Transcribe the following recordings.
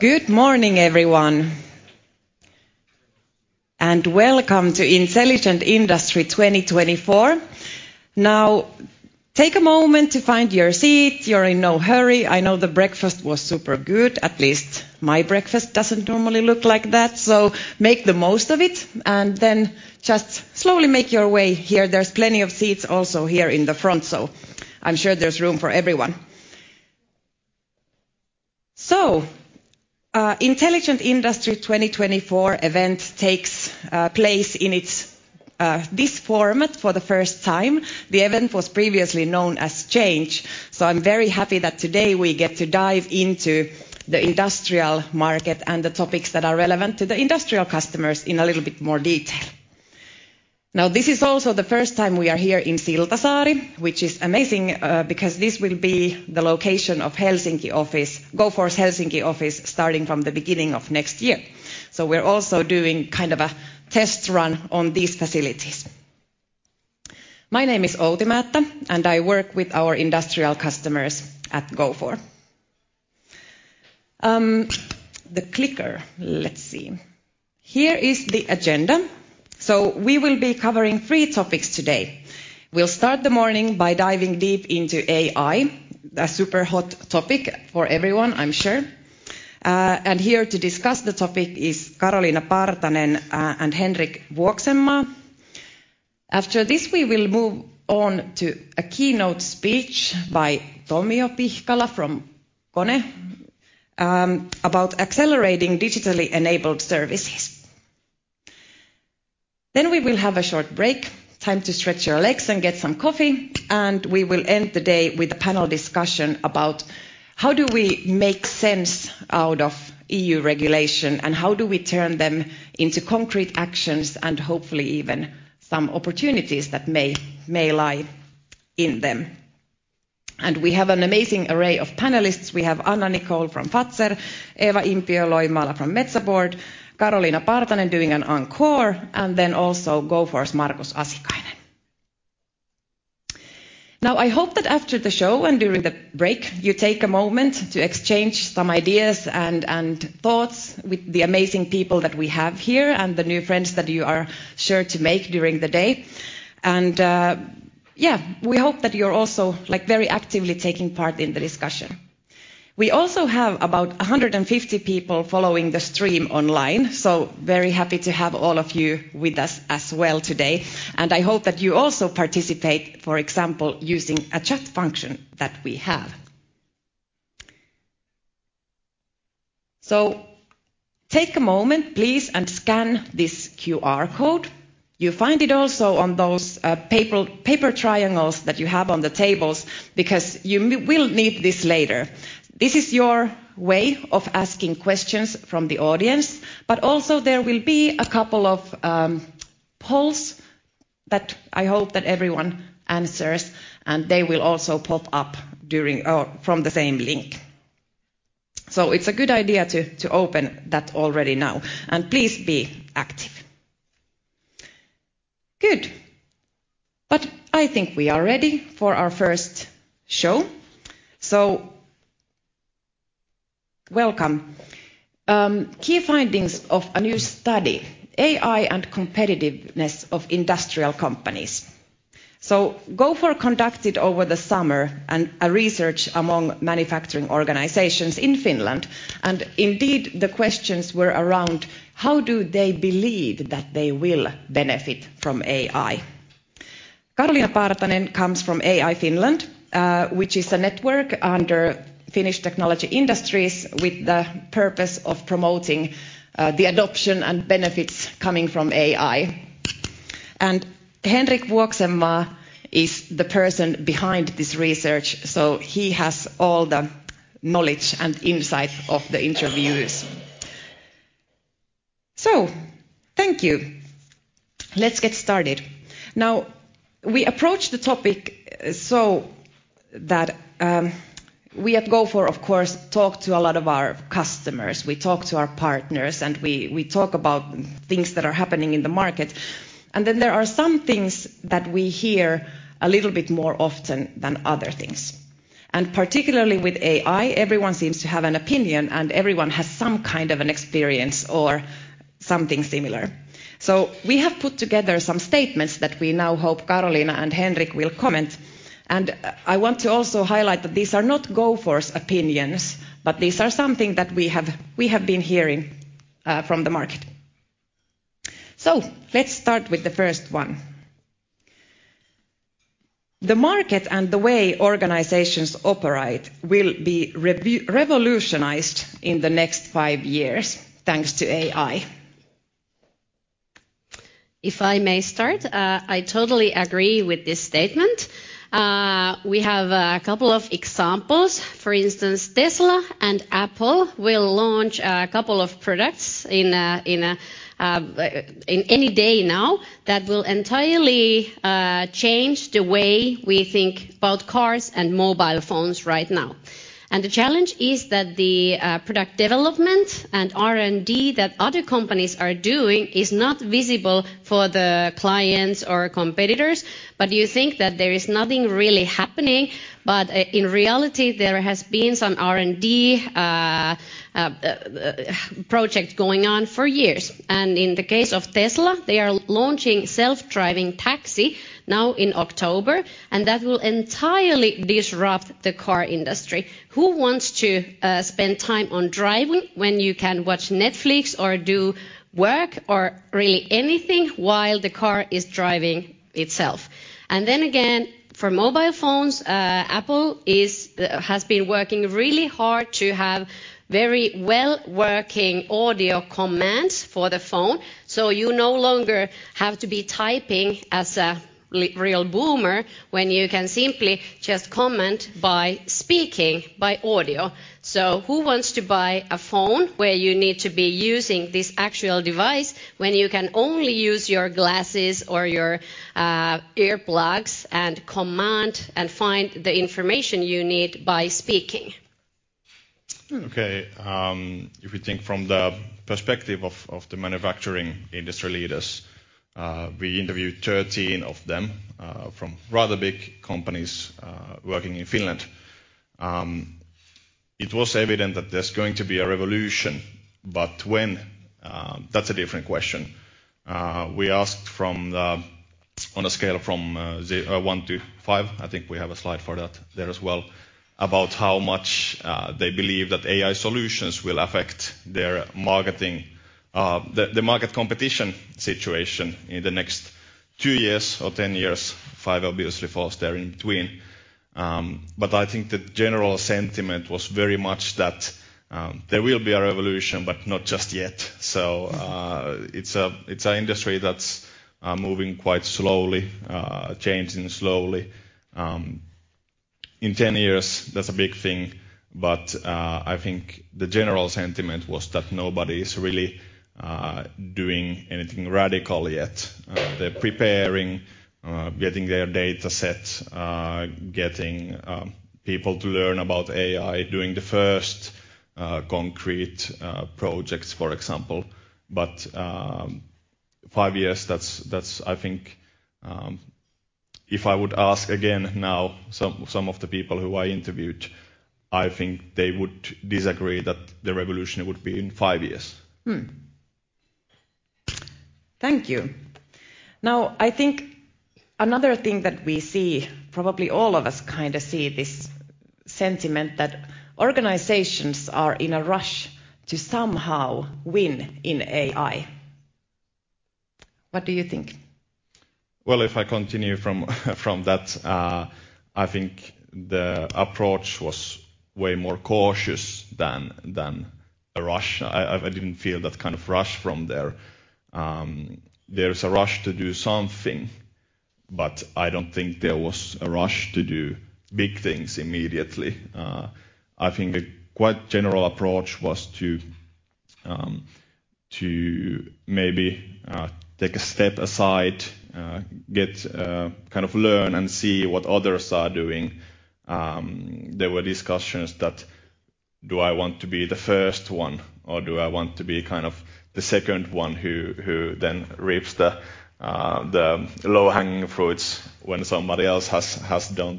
Good morning, everyone, and welcome to Intelligent Industry 2024. Now, take a moment to find your seat. You're in no hurry. I know the breakfast was super good, at least my breakfast doesn't normally look like that. So make the most of it, and then just slowly make your way here. There's plenty of seats also here in the front, so I'm sure there's room for everyone. So, Intelligent Industry 2024 event takes place in its this format for the first time. The event was previously known as Change, so I'm very happy that today we get to dive into the industrial market and the topics that are relevant to the industrial customers in a little bit more detail. Now, this is also the first time we are here in Siltasaari, which is amazing, because this will be the location of Helsinki office, Gofore's Helsinki office, starting from the beginning of next year. So we're also doing kind of a test run on these facilities. My name is Outi Määttä, and I work with our industrial customers at Gofore. The clicker. Let's see. Here is the agenda. So we will be covering three topics today. We'll start the morning by diving deep into AI, a super hot topic for everyone, I'm sure. And here to discuss the topic is Karoliina Partanen, and Henrik Vuoksenmaa. After this, we will move on to a keynote speech by Tomio Pihkala from KONE, about accelerating digitally enabled services. Then we will have a short break, time to stretch your legs and get some coffee, and we will end the day with a panel discussion about how do we make sense out of EU regulation, and how do we turn them into concrete actions, and hopefully even some opportunities that may lie in them. We have an amazing array of panelists. We have Anna Nicol from Fazer, Eeva Impiö-Loimaala from Metsä Board, Karoliina Partanen doing an encore, and then also Gofore's Markus Asikainen. Now, I hope that after the show and during the break, you take a moment to exchange some ideas and thoughts with the amazing people that we have here and the new friends that you are sure to make during the day. And we hope that you're also, like, very actively taking part in the discussion. We also have about 150 people following the stream online, so very happy to have all of you with us as well today, and I hope that you also participate, for example, using a chat function that we have. So take a moment, please, and scan this QR code. You find it also on those paper triangles that you have on the tables, because you will need this later. This is your way of asking questions from the audience, but also there will be a couple of polls that I hope that everyone answers, and they will also pop up during or from the same link. So it's a good idea to open that already now, and please be active. Good. But I think we are ready for our first show, so welcome. Key findings of a new study: AI and competitiveness of industrial companies. Gofore conducted over the summer, and a research among manufacturing organizations in Finland, and indeed, the questions were around: how do they believe that they will benefit from AI? Karoliina Partanen comes from AI Finland, which is a network under Finnish technology industries, with the purpose of promoting the adoption and benefits coming from AI. Henrik Vuoksenmaa is the person behind this research, so he has all the knowledge and insight of the interviews. Thank you. Let's get started. We approached the topic so that we at Gofore, of course, talk to a lot of our customers, we talk to our partners, and we talk about things that are happening in the market. And then there are some things that we hear a little bit more often than other things. And particularly with AI, everyone seems to have an opinion, and everyone has some kind of an experience or something similar. So we have put together some statements that we now hope Karolina and Henrik will comment. And I want to also highlight that these are not Gofore's opinions, but these are something that we have, we have been hearing, from the market. So let's start with the first one. The market and the way organizations operate will be revolutionized in the next five years, thanks to AI. If I may start, I totally agree with this statement. We have a couple of examples. For instance, Tesla and Apple will launch a couple of products in any day now, that will entirely change the way we think about cars and mobile phones right now. And the challenge is that the product development and R&D that other companies are doing is not visible for the clients or competitors, but you think that there is nothing really happening, but in reality, there has been some R&D project going on for years. And in the case of Tesla, they are launching self-driving taxi now in October, and that will entirely disrupt the car industry Who wants to spend time on driving when you can watch Netflix or do work or really anything while the car is driving itself? And then again, for mobile phones, Apple has been working really hard to have very well working audio commands for the phone, so you no longer have to be typing as a real boomer, when you can simply just comment by speaking, by audio. So who wants to buy a phone where you need to be using this actual device, when you can only use your glasses or your earplugs and command and find the information you need by speaking? Okay, if you think from the perspective of the manufacturing industry leaders, we interviewed 13 of them, from rather big companies, working in Finland. It was evident that there's going to be a revolution, but when? That's a different question. We asked from the, on a scale from one to five, I think we have a slide for that there as well, about how much they believe that AI solutions will affect their marketing, the market competition situation in the next two years or 10 years. Five obviously falls there in between. But I think the general sentiment was very much that there will be a revolution, but not just yet. It's an industry that's moving quite slowly, changing slowly. In ten years, that's a big thing, but I think the general sentiment was that nobody is really doing anything radical yet. They're preparing, getting their data sets, getting people to learn about AI, doing the first concrete projects, for example. But five years, that's, that's I think, if I would ask again now, some of the people who I interviewed, I think they would disagree that the revolution would be in five years. Thank you. Now, I think another thing that we see, probably all of us kinda see this sentiment, that organizations are in a rush to somehow win in AI. What do you think? If I continue from that, I think the approach was way more cautious than a rush. I didn't feel that kind of rush from there. There's a rush to do something, but I don't think there was a rush to do big things immediately. I think a quite general approach was to maybe take a step aside, get kind of learn and see what others are doing. There were discussions that, "Do I want to be the first one, or do I want to be kind of the second one, who then reaps the low-hanging fruits when somebody else has done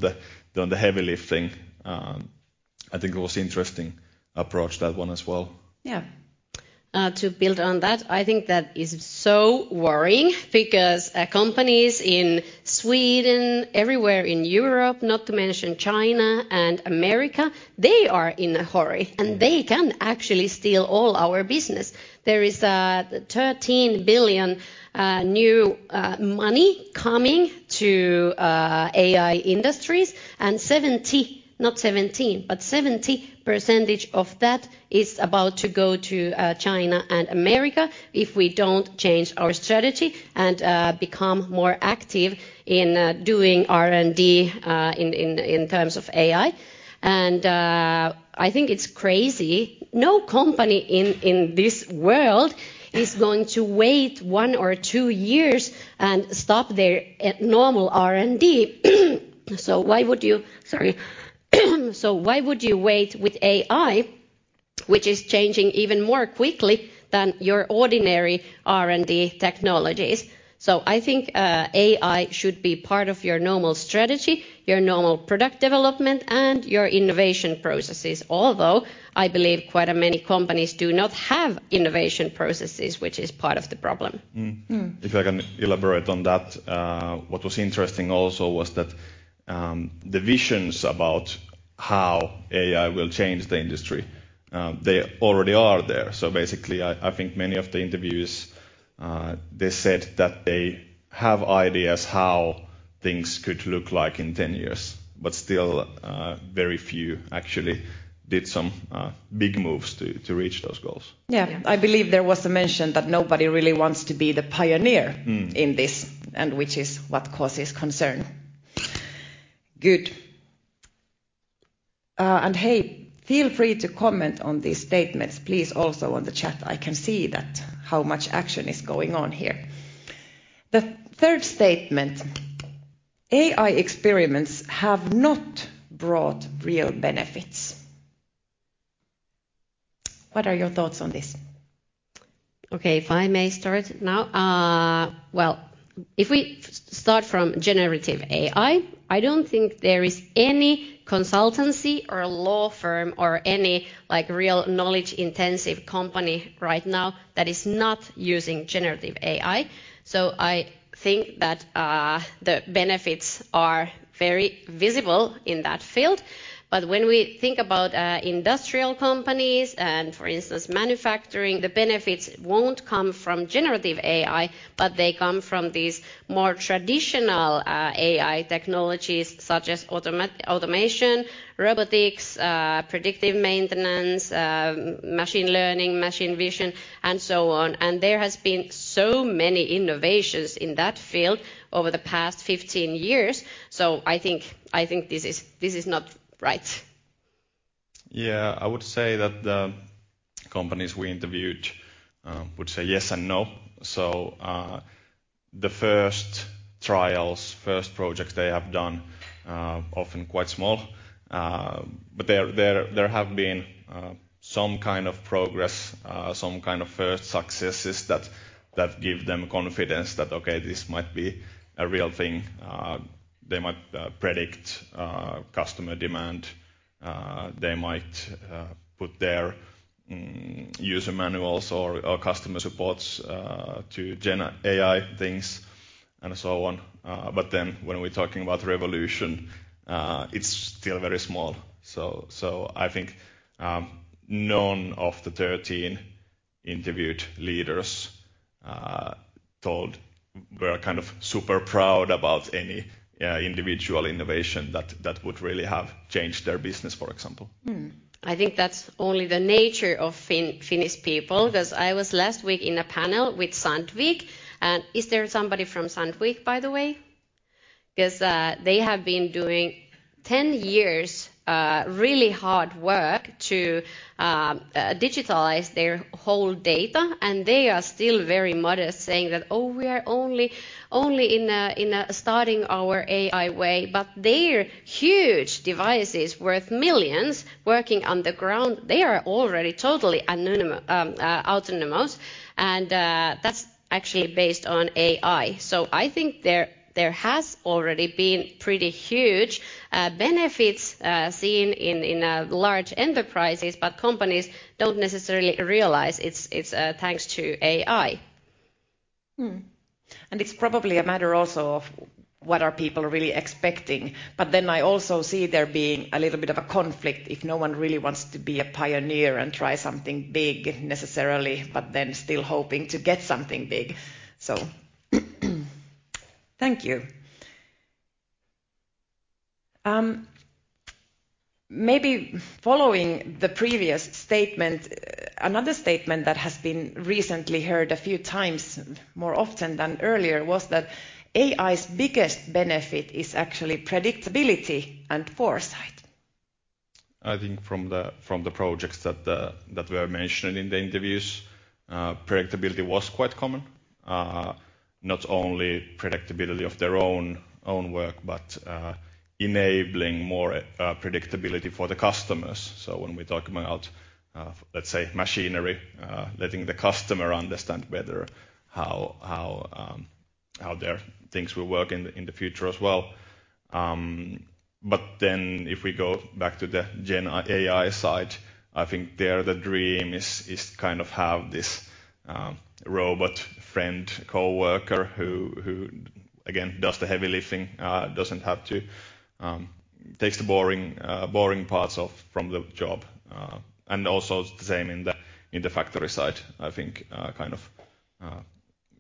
the heavy lifting?" I think it was interesting approach, that one as well. Yeah. To build on that, I think that is so worrying because, companies in Sweden, everywhere in Europe, not to mention China and America, they are in a hurry. Yeah. And they can actually steal all our business. There is 13 billion new money coming to AI industries, and 70%, not 17%, but 70% of that is about to go to China and America if we don't change our strategy and become more active in doing R&D in terms of AI. I think it's crazy. No company in this world is going to wait one or two years and stop their normal R&D. So why would you... Sorry. So why would you wait with AI, which is changing even more quickly than your ordinary R&D technologies? So I think AI should be part of your normal strategy, your normal product development, and your innovation processes. Although I believe quite a many companies do not have innovation processes, which is part of the problem. Mm-hmm. Mm-hmm. If I can elaborate on that, what was interesting also was that the visions about how AI will change the industry, they already are there. So basically, I think many of the interviews, they said that they have ideas how things could look like in ten years, but still, very few actually did some big moves to reach those goals. Yeah. Yeah. I believe there was a mention that nobody really wants to be the pioneer in this, and which is what causes concern. Good. And hey, feel free to comment on these statements. Please, also on the chat, I can see that, how much action is going on here. The third statement: AI experiments have not brought real benefits. What are your thoughts on this? Okay, if I may start now? Well, if we start from generative AI, I don't think there is any consultancy, or law firm, or any, like, real knowledge-intensive company right now that is not using generative AI. So I think that, the benefits are very visible in that field. But when we think about, industrial companies and, for instance, manufacturing, the benefits won't come from generative AI, but they come from these more traditional, AI technologies, such as automation, robotics, predictive maintenance, machine learning, machine vision, and so on. And there has been so many innovations in that field over the past 15 years, so I think this is not right. Yeah, I would say that the companies we interviewed would say yes and no. So, the first trials, first projects they have done often quite small. But there have been some kind of progress, some kind of first successes that give them confidence that, "Okay, this might be a real thing." They might predict customer demand. They might put their user manuals or customer supports to gen AI things, and so on. But then when we're talking about revolution, it's still very small. So I think none of the thirteen interviewed leaders were kind of super proud about any individual innovation that would really have changed their business, for example. I think that's only the nature of Finnish people, 'cause I was last week in a panel with Sandvik, and is there somebody from Sandvik, by the way? 'Cause they have been doing ten years really hard work to digitalize their whole data, and they are still very modest, saying that, "Oh, we are only in a starting our AI way." But their huge devices worth millions working on the ground, they are already totally autonomous, and that's actually based on AI. So I think there has already been pretty huge benefits seen in large enterprises, but companies don't necessarily realize it's thanks to AI. And it's probably a matter also of what are people really expecting. But then I also see there being a little bit of a conflict if no one really wants to be a pioneer and try something big necessarily, but then still hoping to get something big. So thank you. Maybe following the previous statement, another statement that has been recently heard a few times, more often than earlier, was that AI's biggest benefit is actually predictability and foresight. I think from the projects that were mentioned in the interviews, predictability was quite common. Not only predictability of their own work, but enabling more predictability for the customers. So when we talk about, let's say, machinery, letting the customer understand how their things will work in the future as well. But then if we go back to the GenAI side, I think there, the dream is kind of have this robot friend, coworker, who again does the heavy lifting, takes the boring parts from the job. And also the same in the factory side, I think kind of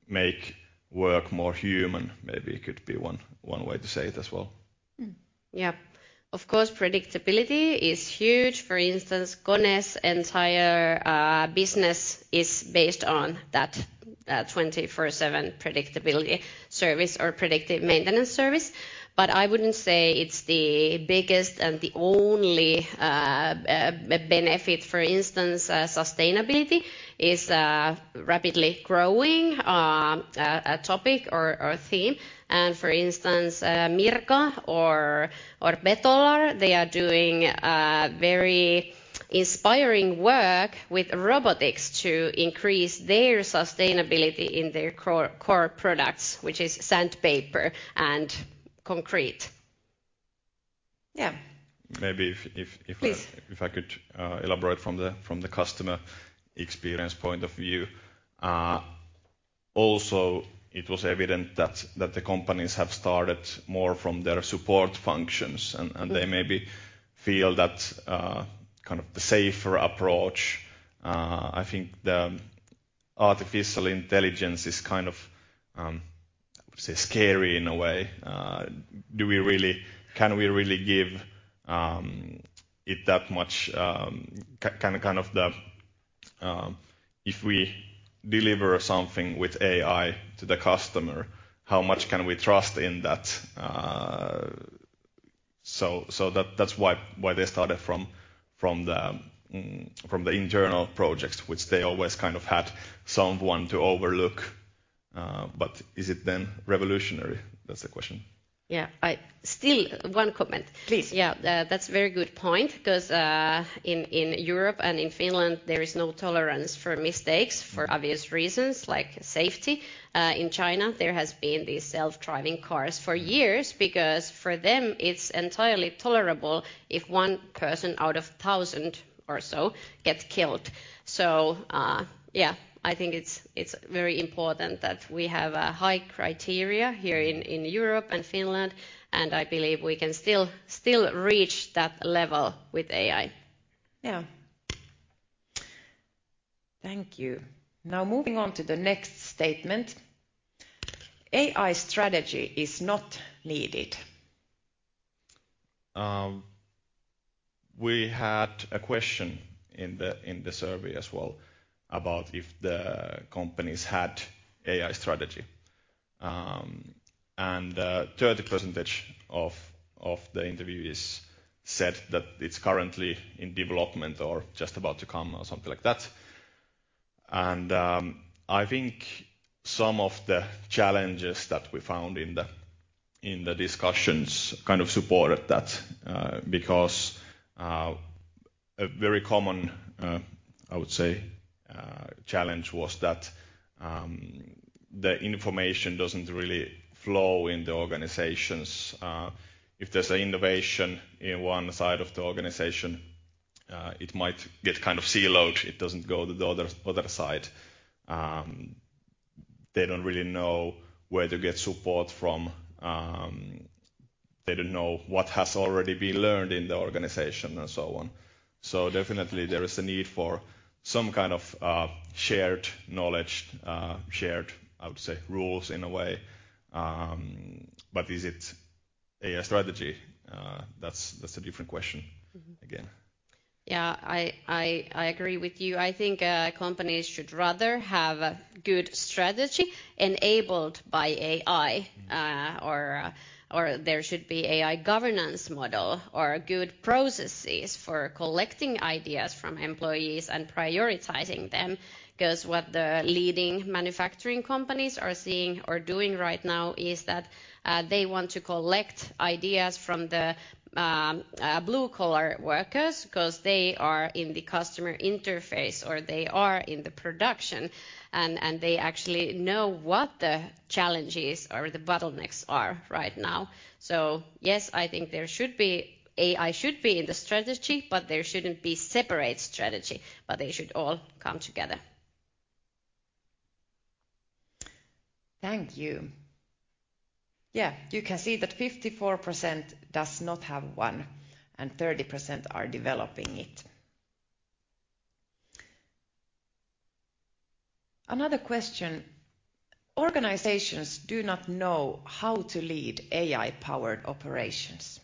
make work more human, maybe could be one way to say it as well. Mm. Yeah. Of course, predictability is huge. For instance, KONE's entire business is based on that 24/7 predictability service or predictive maintenance service. But I wouldn't say it's the biggest and the only benefit. For instance, sustainability is rapidly growing a topic or theme. And for instance, Mirka or Betolar, they are doing very inspiring work with robotics to increase their sustainability in their core products, which is sandpaper and concrete. Yeah. Maybe if I- Please... if I could elaborate from the customer experience point of view. Also, it was evident that the companies have started more from their support functions, and they maybe feel that kind of the safer approach. I think the artificial intelligence is kind of, I would say, scary in a way. Do we really can we really give it that much kind of the. If we deliver something with AI to the customer, how much can we trust in that? So that that's why they started from the internal projects, which they always kind of had someone to overlook but is it then revolutionary? That's the question. Yeah, still, one comment. Please. Yeah, that's a very good point, 'cause in Europe and in Finland, there is no tolerance for mistakes. Mm. For obvious reasons, like safety. In China, there has been these self-driving cars for years because for them, it's entirely tolerable if one person out of thousand or so gets killed. So, yeah, I think it's very important that we have a high criteria here in Europe and Finland, and I believe we can still reach that level with AI. Yeah. Thank you. Now, moving on to the next statement: AI strategy is not needed. We had a question in the survey as well about if the companies had AI strategy. 30% of the interviewees said that it's currently in development or just about to come or something like that. I think some of the challenges that we found in the discussions kind of supported that, because a very common, I would say, challenge was that the information doesn't really flow in the organizations. If there's an innovation in one side of the organization, it might get kind of siloed. It doesn't go to the other side. They don't really know where to get support from. They don't know what has already been learned in the organization, and so on. So definitely there is a need for some kind of shared knowledge, shared, I would say, rules in a way. But is it AI strategy? That's, that's a different question. Mm-hmm. Again. Yeah, I agree with you. I think companies should rather have a good strategy enabled by AI, or there should be AI governance model or good processes for collecting ideas from employees and prioritizing them, 'cause what the leading manufacturing companies are seeing or doing right now is that they want to collect ideas from the blue-collar workers, 'cause they are in the customer interface, or they are in the production, and they actually know what the challenges or the bottlenecks are right now. So yes, I think AI should be in the strategy, but there shouldn't be separate strategy, but they should all come together. Thank you. Yeah, you can see that 54% does not have one, and 30% are developing it. Another question: organizations do not know how to lead AI-powered operations.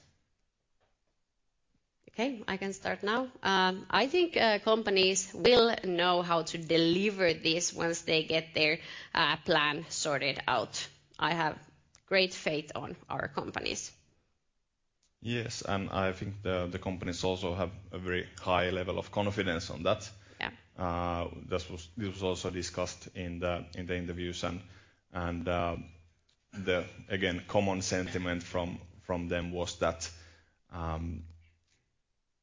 Okay, I can start now. I think, companies will know how to deliver this once they get their, plan sorted out. I have great faith on our companies. Yes, and I think the companies also have a very high level of confidence on that. Yeah. This was also discussed in the interviews, and the, again, common sentiment from them was that,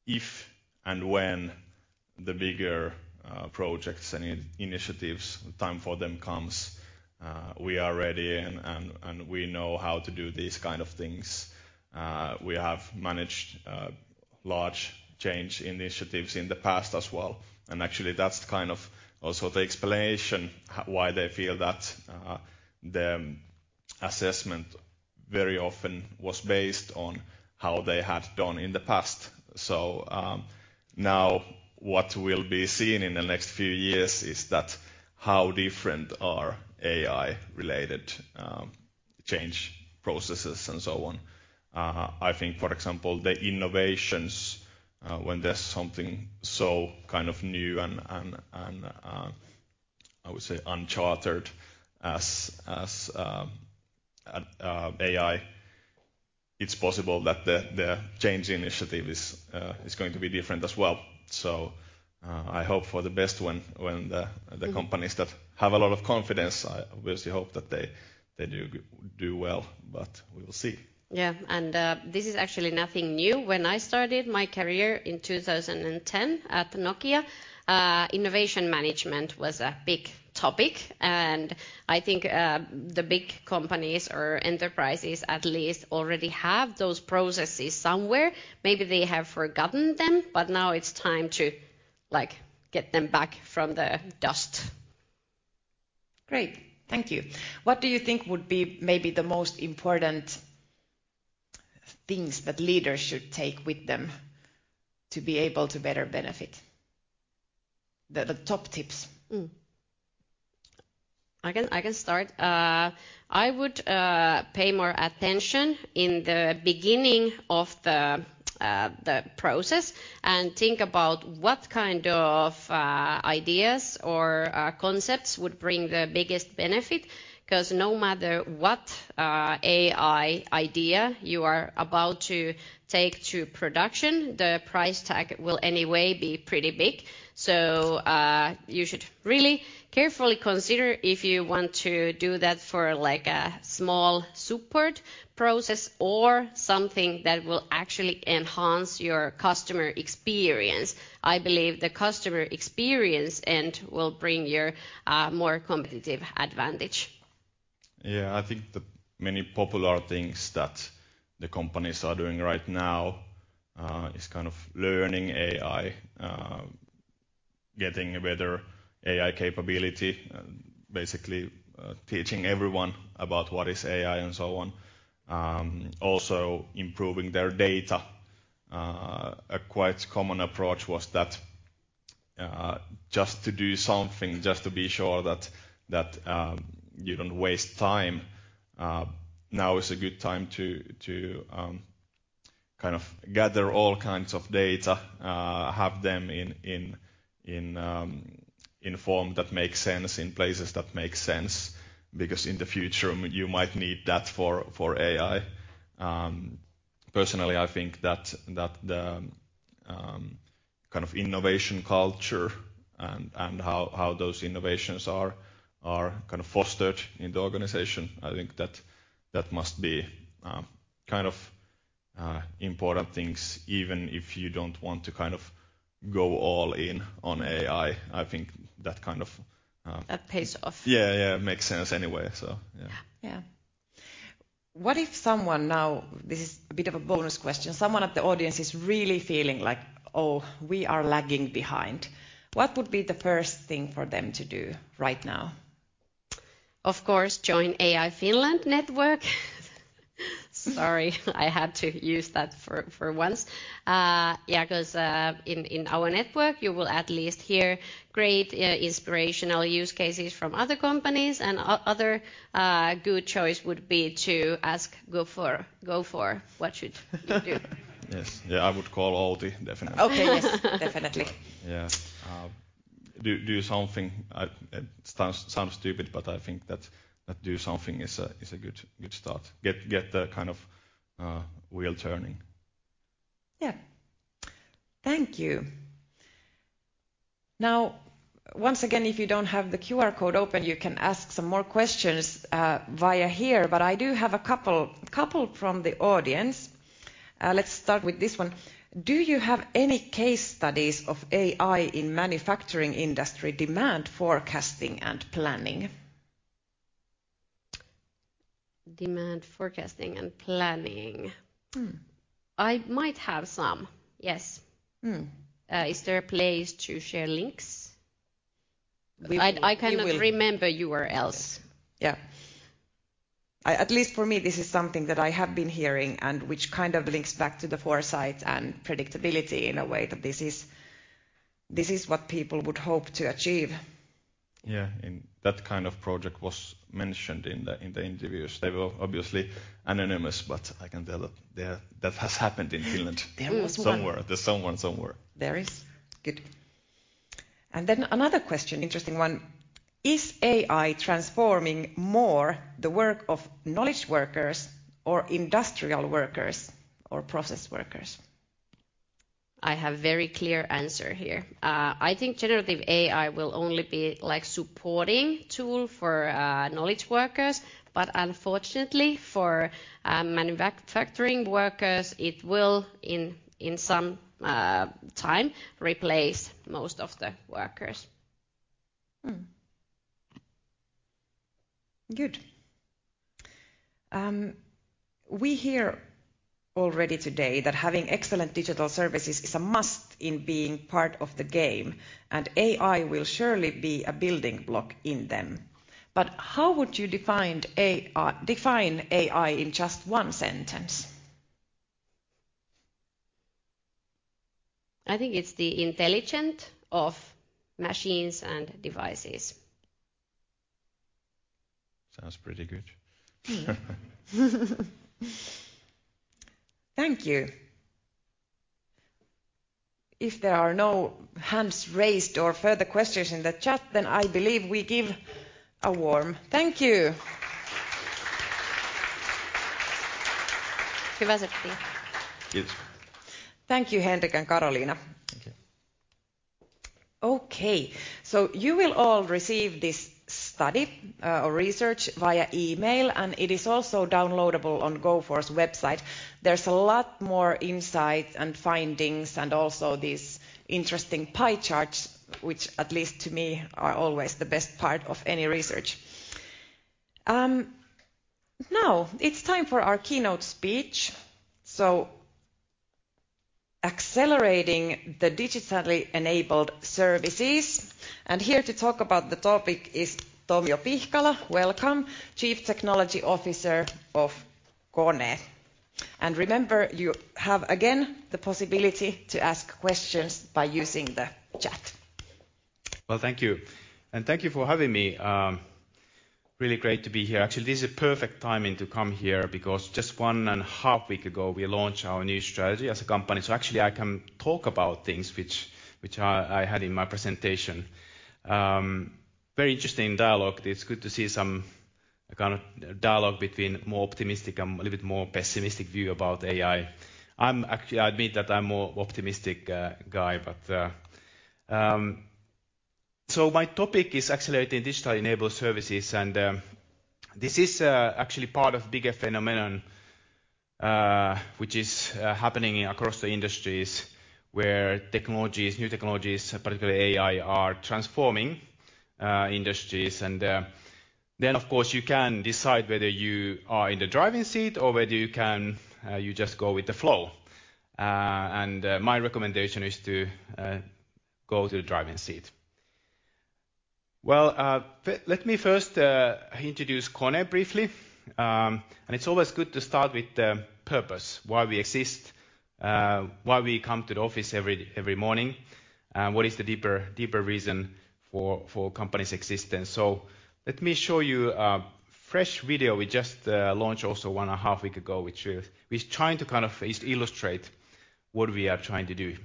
if and when the bigger projects and initiatives, time for them comes, we are ready, and we know how to do these kind of things. We have managed large change initiatives in the past as well, and actually, that's kind of also the explanation why they feel that the assessment very often was based on how they had done in the past. Now, what we'll be seeing in the next few years is that how different are AI-related change processes and so on. I think, for example, the innovations, when there's something so kind of new and I would say uncharted as AI, it's possible that the change initiative is going to be different as well. So, I hope for the best when the companies that have a lot of confidence. I obviously hope that they do well, but we will see. Yeah, and, this is actually nothing new. When I started my career in 2010 at Nokia, innovation management was a big topic, and I think, the big companies or enterprises at least already have those processes somewhere. Maybe they have forgotten them, but now it's time to, like, get them back from the dust. Great. Thank you. What do you think would be maybe the most important things that leaders should take with them to be able to better benefit? The top tips. I can start. I would pay more attention in the beginning of the process and think about what kind of ideas or concepts would bring the biggest benefit. 'Cause no matter what AI idea you are about to take to production, the price tag will anyway be pretty big. So you should really carefully consider if you want to do that for, like, a small support process or something that will actually enhance your customer experience. I believe the customer experience end will bring your more competitive advantage. Yeah, I think the many popular things that the companies are doing right now is kind of learning AI, getting a better AI capability, and basically teaching everyone about what is AI, and so on. Also improving their data. A quite common approach was that just to do something, just to be sure that you don't waste time. Now is a good time to kind of gather all kinds of data, have them in form that makes sense, in places that make sense, because in the future you might need that for AI. Personally, I think that the kind of innovation culture and how those innovations are kind of fostered in the organization, I think that must be kind of important things even if you don't want to kind of go all in on AI. I think that kind of. That pays off. Yeah, yeah, makes sense anyway, so yeah. Yeah. Yeah. What if someone now, this is a bit of a bonus question, someone at the audience is really feeling like, "Oh, we are lagging behind," what would be the first thing for them to do right now? Of course, join AI Finland network. Sorry, I had to use that for once. Yeah, 'cause in our network, you will at least hear great inspirational use cases from other companies, and other good choice would be to ask Gofore, what should you do? Yes. Yeah, I would call Outi, definitely. Okay, yes. Definitely. Yeah. Do something. It sounds stupid, but I think that do something is a good start. Get the kind of wheel turning. Yeah. Thank you. Now, once again, if you don't have the QR code open, you can ask some more questions via here, but I do have a couple from the audience. Let's start with this one: "Do you have any case studies of AI in manufacturing industry, demand forecasting and planning? Demand forecasting and planning? Mm. I might have some, yes. Mm. Is there a place to share links? We will. I cannot remember URLs. Yeah. At least for me, this is something that I have been hearing and which kind of links back to the foresight and predictability in a way that this is what people would hope to achieve. Yeah, and that kind of project was mentioned in the interviews. They were obviously anonymous, but I can tell that has happened in Finland. There was one. Somewhere. There's someone somewhere. There is. Good, and then another question, interesting one: "Is AI transforming more the work of knowledge workers or industrial workers or process workers? I have very clear answer here. I think generative AI will only be, like, supporting tool for knowledge workers, but unfortunately, for manufacturing workers, it will, in some time, replace most of the workers. We hear already today that having excellent digital services is a must in being part of the game, and AI will surely be a building block in them. But how would you define AI in just one sentence? I think it's the intelligence of machines and devices. Sounds pretty good. Thank you. If there are no hands raised or further questions in the chat, then I believe we give a warm thank you. Yes. Thank you, Henrik and Karoliina. Thank you. Okay, so you will all receive this study, or research via email, and it is also downloadable on Gofore's website. There's a lot more insight and findings, and also these interesting pie charts, which, at least to me, are always the best part of any research. Now it's time for our keynote speech, so accelerating the digitally enabled services, and here to talk about the topic is Tomio Pihkala. Welcome, Chief Technology Officer of KONE. Remember, you have, again, the possibility to ask questions by using the chat. Thank you. Thank you for having me. Really great to be here. Actually, this is perfect timing to come here because just one and a half weeks ago, we launched our new strategy as a company, so actually, I can talk about things which I had in my presentation. Very interesting dialogue. It's good to see a kind of dialogue between more optimistic and a little bit more pessimistic view about AI. I'm actually, I admit that I'm more optimistic guy, but so my topic is accelerating digital-enabled services, and this is actually part of bigger phenomenon which is happening across the industries, where technologies, new technologies, particularly AI, are transforming industries. Then, of course, you can decide whether you are in the driving seat or whether you can, you just go with the flow. My recommendation is to go to the driving seat. Let me first introduce KONE briefly. It is always good to start with the purpose, why we exist, why we come to the office every morning, and what is the deeper reason for the company's existence. Let me show you a fresh video we just launched also one and a half week ago, which is trying to kind of illustrate what we are trying to do.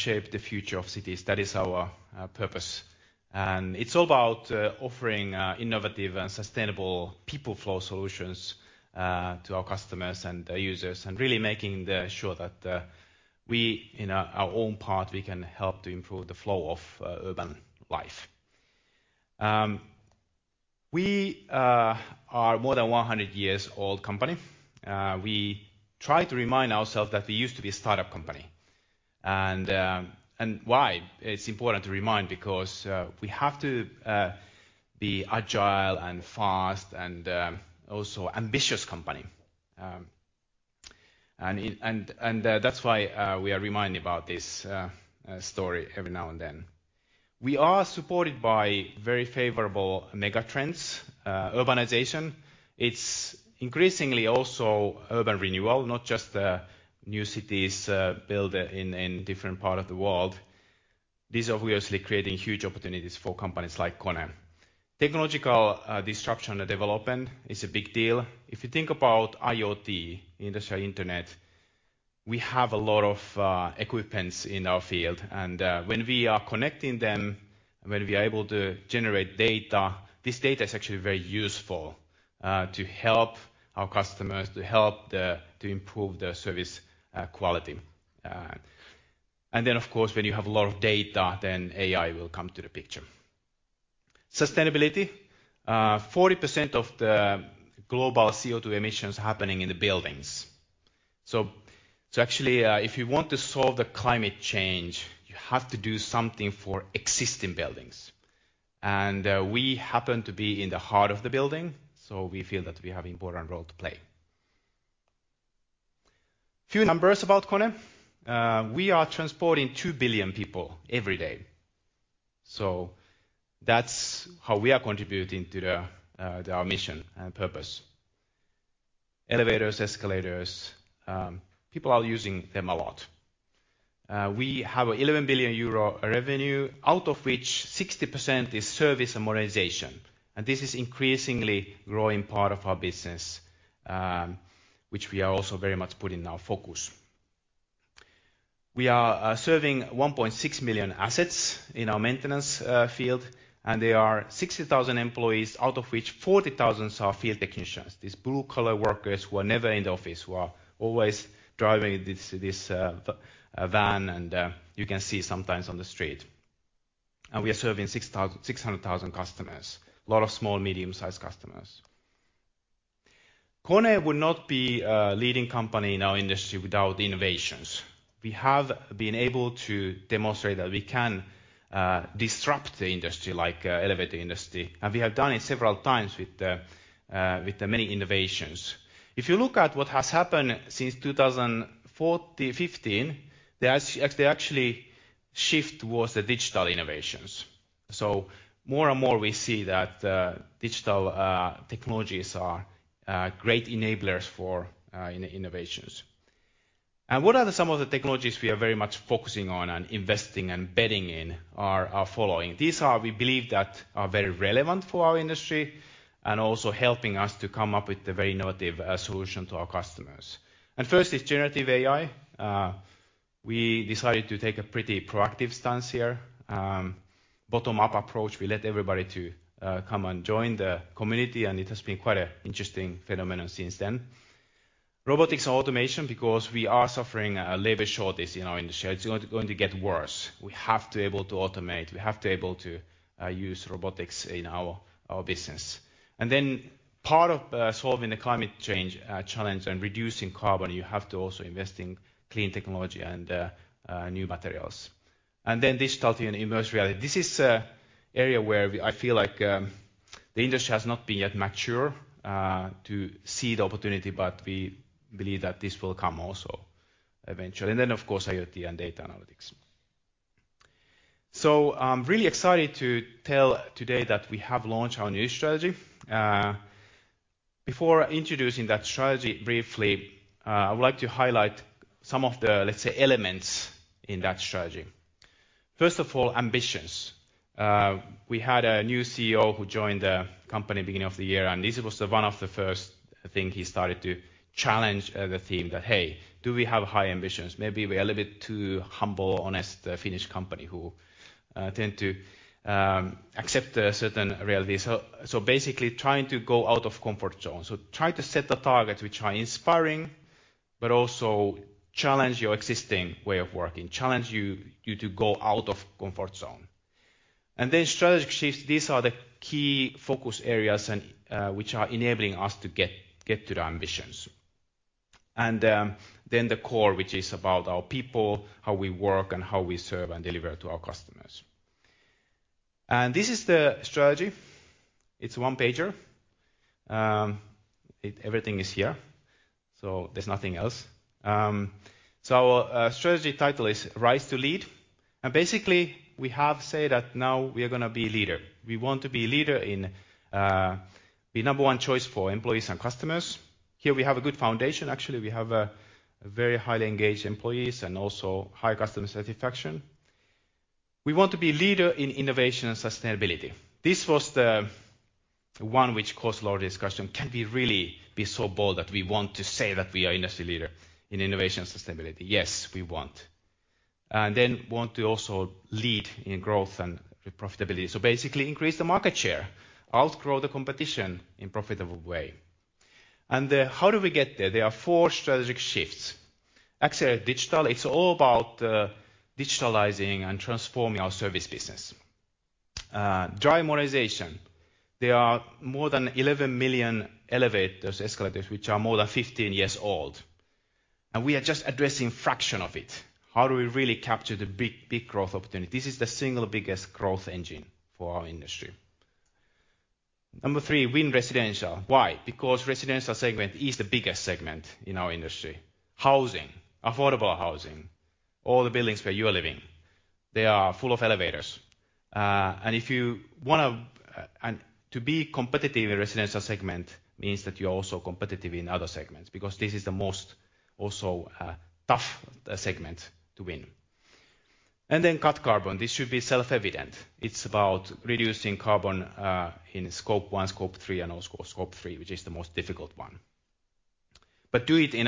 We shape the future of cities. That is our purpose, and it's all about offering innovative and sustainable people flow solutions to our customers and their users, and really making sure that we, in our own part, we can help to improve the flow of urban life. We are more than one hundred years old company. We try to remind ourselves that we used to be a startup company, and why? It's important to remind because we have to be agile and fast and also ambitious company. And that's why we are reminded about this story every now and then. We are supported by very favorable megatrends, urbanization. It's increasingly also urban renewal, not just new cities built in different part of the world. This is obviously creating huge opportunities for companies like KONE. Technological disruption and development is a big deal. If you think about IoT, Industrial Internet, we have a lot of equipments in our field, and when we are connecting them, when we are able to generate data, this data is actually very useful to help our customers, to improve the service quality. And then, of course, when you have a lot of data, then AI will come to the picture. Sustainability, 40% of the global CO2 emissions happening in the buildings. So actually, if you want to solve the climate change, you have to do something for existing buildings. And we happen to be in the heart of the building, so we feel that we have important role to play. Few numbers about KONE. We are transporting two billion people every day, so that's how we are contributing to the our mission and purpose. Elevators, escalators, people are using them a lot. We have 11 billion euro revenue, out of which 60% is service and modernization, and this is increasingly growing part of our business, which we are also very much putting our focus. We are serving 1.6 million assets in our maintenance field, and there are 60,000 employees, out of which 40,000 are field technicians. These blue-collar workers who are never in the office, who are always driving this van, and you can see sometimes on the street, and we are serving 600,000 customers, a lot of small, medium-sized customers. KONE would not be a leading company in our industry without innovations. We have been able to demonstrate that we can disrupt the industry, like elevator industry, and we have done it several times with the many innovations. If you look at what has happened since 2015, they actually shift towards the digital innovations. So more and more, we see that digital technologies are great enablers for innovations. And what are some of the technologies we are very much focusing on and investing and betting in are following? These are, we believe, that are very relevant for our industry and also helping us to come up with a very innovative solution to our customers. And first is generative AI. We decided to take a pretty proactive stance here, bottom-up approach. We let everybody to come and join the community, and it has been quite an interesting phenomenon since then. Robotics automation, because we are suffering a labor shortage in our industry. It's going to get worse. We have to be able to automate. We have to be able to use robotics in our business. And then part of solving the climate change challenge and reducing carbon, you have to also invest in clean technology and new materials. And then digital and immersive reality. This is an area where I feel like the industry has not been yet mature to see the opportunity, but we believe that this will come also eventually. And then, of course, IoT and data analytics. So I'm really excited to tell today that we have launched our new strategy. Before introducing that strategy briefly, I would like to highlight some of the, let's say, elements in that strategy. First of all, ambitions. We had a new CEO who joined the company beginning of the year, and this was the one of the first thing he started to challenge the team that, "Hey, do we have high ambitions? Maybe we are a little bit too humble, honest, Finnish company who tend to accept a certain reality." So basically trying to go out of comfort zone. So try to set the targets which are inspiring, but also challenge your existing way of working, challenge you to go out of comfort zone. And then strategic shifts, these are the key focus areas and which are enabling us to get to the ambitions. And then the core, which is about our people, how we work, and how we serve and deliver to our customers. And this is the strategy. It's one pager. It, everything is here, so there's nothing else. So our strategy title is Rise to Lead. And basically, we have said that now we are going to be leader. We want to be leader in be number one choice for employees and customers. Here we have a good foundation. Actually, we have a very highly engaged employees and also high customer satisfaction. We want to be leader in innovation and sustainability. This was the one which caused a lot of discussion. Can we really be so bold that we want to say that we are industry leader in innovation and sustainability? Yes, we want. And then want to also lead in growth and profitability. So basically increase the market share, outgrow the competition in profitable way. And how do we get there? There are four strategic shifts. Accelerate Digital. It's all about digitalizing and transforming our service business. Drive Modernization. There are more than 11 million elevators, escalators, which are more than 15 years old, and we are just addressing fraction of it. How do we really capture the big growth opportunity? This is the single biggest growth engine for our industry. Number three, Win Residential. Why? Because residential segment is the biggest segment in our industry. Housing, affordable housing, all the buildings where you are living, they are full of elevators. And if you wanna to be competitive in residential segment means that you're also competitive in other segments, because this is the most also tough segment to win. And then Cut Carbon. This should be self-evident. It's about reducing carbon in Scope 1, Scope 3, and also Scope 3, which is the most difficult one, but do it in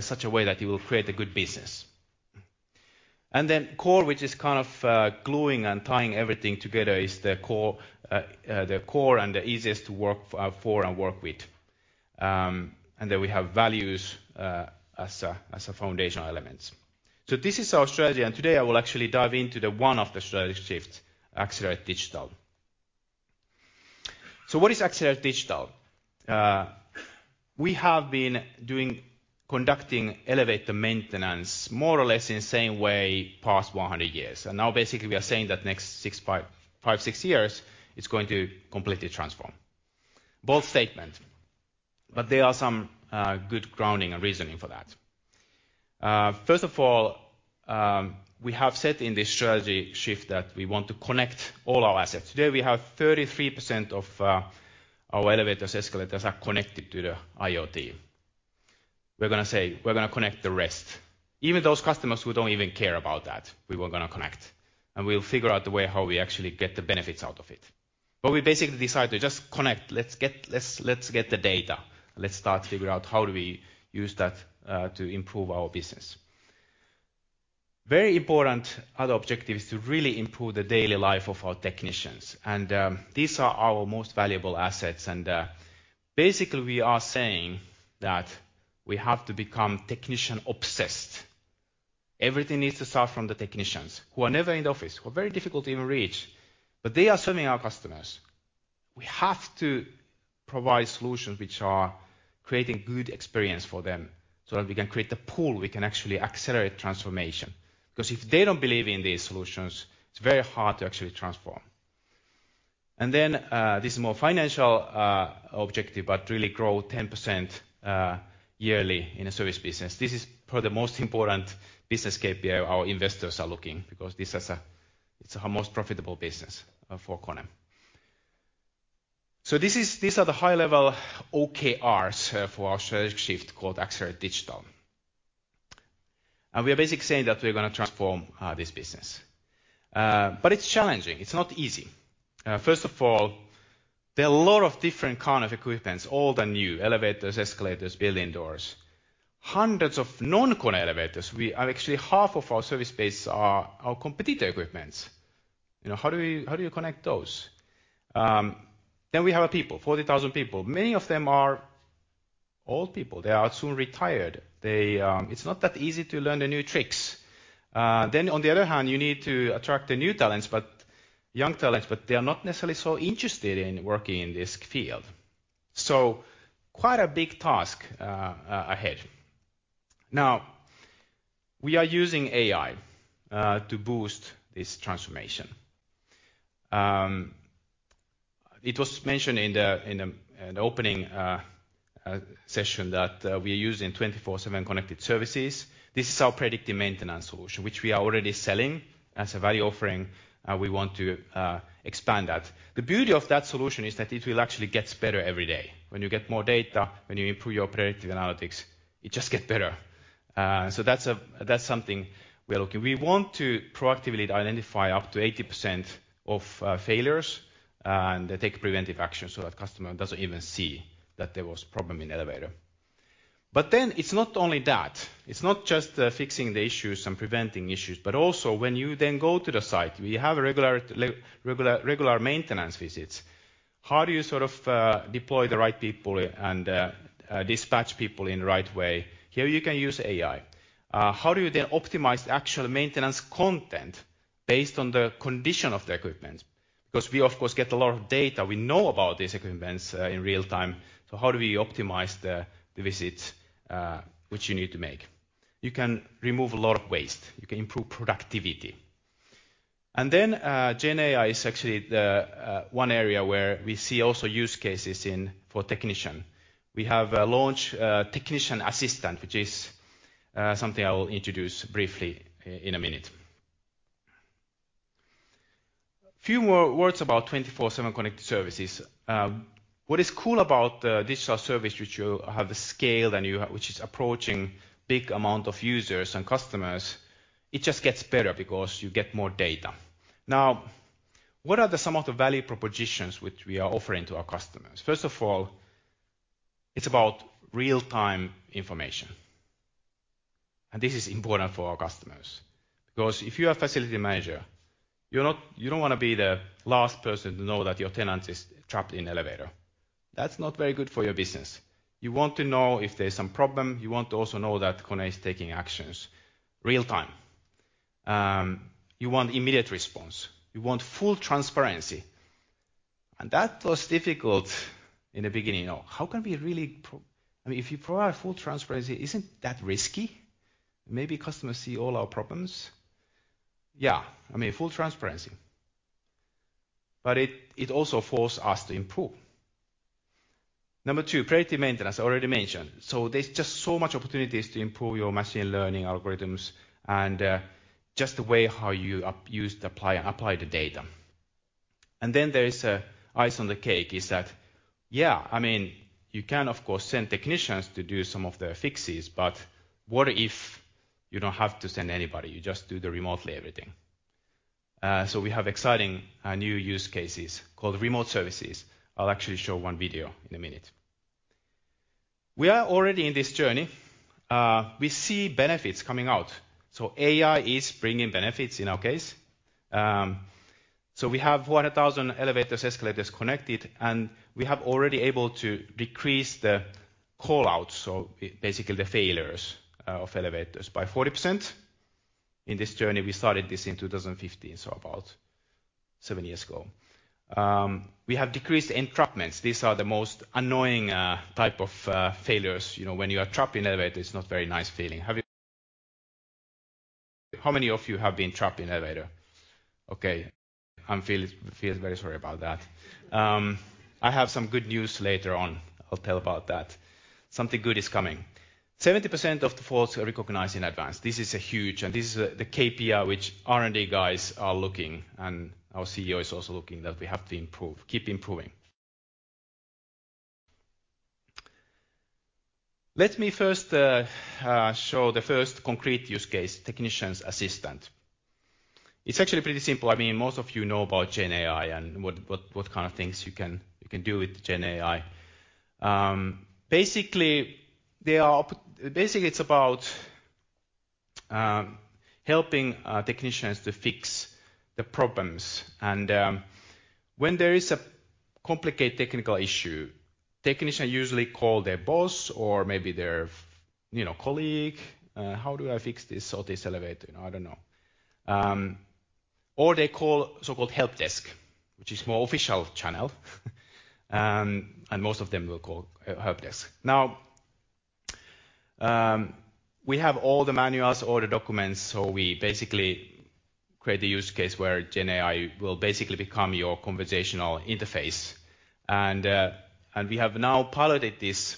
such a way that you will create a good business. Core, which is kind of gluing and tying everything together, is the core and the easiest to work for and work with. Then we have values as foundational elements. This is our strategy, and today I will actually dive into the one of the strategic shift, Accelerate Digital. What is Accelerate Digital? We have been conducting elevator maintenance more or less in the same way past one hundred years. Now basically, we are saying that next five to six years, it's going to completely transform. Bold statement, but there are some good grounding and reasoning for that. First of all, we have said in this strategy shift that we want to connect all our assets. Today, we have 33% of our elevators, escalators, are connected to the IoT. We're gonna connect the rest. Even those customers who don't even care about that, we were gonna connect, and we'll figure out the way how we actually get the benefits out of it. But we basically decided to just connect. Let's get the data. Let's start to figure out how do we use that to improve our business. Very important other objective is to really improve the daily life of our technicians, and these are our most valuable assets, and basically, we are saying that we have to become technician-obsessed. Everything needs to start from the technicians who are never in the office, who are very difficult even reach, but they are serving our customers. We have to provide solutions which are creating good experience for them, so that we can create the pool, we can actually accelerate transformation. Because if they don't believe in these solutions, it's very hard to actually transform. And then, this is more financial objective, but really grow 10%, yearly in the service business. This is probably the most important business KPI our investors are looking, because it's our most profitable business for KONE. So these are the high-level OKRs for our strategy shift called Accelerate Digital. And we are basically saying that we're gonna transform this business. But it's challenging, it's not easy. First of all, there are a lot of different kinds of equipment, old and new: elevators, escalators, building doors. Hundreds of non-KONE elevators. Actually, half of our service base are our competitor equipment. You know, how do you connect those? Then we have our people, 40,000 people. Many of them are old people. They are soon retired. They. It's not that easy to learn the new tricks. Then on the other hand, you need to attract the new talents, but young talents, but they are not necessarily so interested in working in this field. Quite a big task ahead. Now, we are using AI to boost this transformation. It was mentioned in the opening session that we're using 24/7 Connected Services. This is our predictive maintenance solution, which we are already selling as a value offering, and we want to expand that. The beauty of that solution is that it will actually gets better every day. When you get more data, when you improve your predictive analytics, it just gets better. So that's something we are looking. We want to proactively identify up to 80% of failures, and take preventive action so that customer doesn't even see that there was problem in elevator. But then, it's not only that. It's not just fixing the issues and preventing issues, but also when you then go to the site, we have a regular maintenance visits. How do you sort of deploy the right people and dispatch people in the right way? Here, you can use AI. How do you then optimize the actual maintenance content based on the condition of the equipment? Because we, of course, get a lot of data. We know about these equipment in real time, so how do we optimize the visits which you need to make? You can remove a lot of waste, you can improve productivity, and then GenAI is actually the one area where we see also use cases in for technician. We have launched Technician Assistant, which is something I will introduce briefly in a minute. A few more words about 24/7 Connected Services. What is cool about the digital service, which you have the scale and you have which is approaching big amount of users and customers, it just gets better because you get more data. Now, what are some of the value propositions which we are offering to our customers? First of all, it's about real-time information, and this is important for our customers. Because if you are a facility manager, you don't wanna be the last person to know that your tenant is trapped in an elevator. That's not very good for your business. You want to know if there's some problem, you want to also know that KONE is taking actions real time. You want immediate response, you want full transparency, and that was difficult in the beginning. You know, how can we really I mean, if you provide full transparency, isn't that risky? Maybe customers see all our problems. Yeah, I mean, full transparency, but it also force us to improve. Number two, predictive maintenance. I already mentioned. There's just so much opportunities to improve your machine learning algorithms and just the way how you use to apply the data. And then there is icing on the cake, that yeah, I mean, you can, of course, send technicians to do some of the fixes, but what if you don't have to send anybody, you just do everything remotely? So we have exciting new use cases called remote services. I'll actually show one video in a minute. We are already in this journey. We see benefits coming out, so AI is bringing benefits in our case. So we have 100,000 elevators, escalators connected, and we have already able to decrease the call-outs, so basically, the failures of elevators by 40%. In this journey, we started this in 2015, so about seven years ago. We have decreased entrapments. These are the most annoying type of failures. You know, when you are trapped in an elevator, it's not a very nice feeling. Have you... How many of you have been trapped in elevator? Okay, I feel very sorry about that. I have some good news later on. I'll tell about that. Something good is coming. 70% of the faults are recognized in advance. This is a huge, and this is the KPI, which R&D guys are looking, and our CEO is also looking, that we have to improve, keep improving. Let me first show the first concrete use case, Technician Assistant. It's actually pretty simple. I mean, most of you know about GenAI and what kind of things you can do with GenAI. Basically, it's about helping technicians to fix the problems. When there is a complicated technical issue, technician usually call their boss or maybe their, you know, colleague. "How do I fix this or this elevator? You know, I don't know." Or they call, so-called helpdesk, which is more official channel, and most of them will call helpdesk. We have all the manuals, all the documents, so we basically create the use case where GenAI will basically become your conversational interface. We have now piloted this.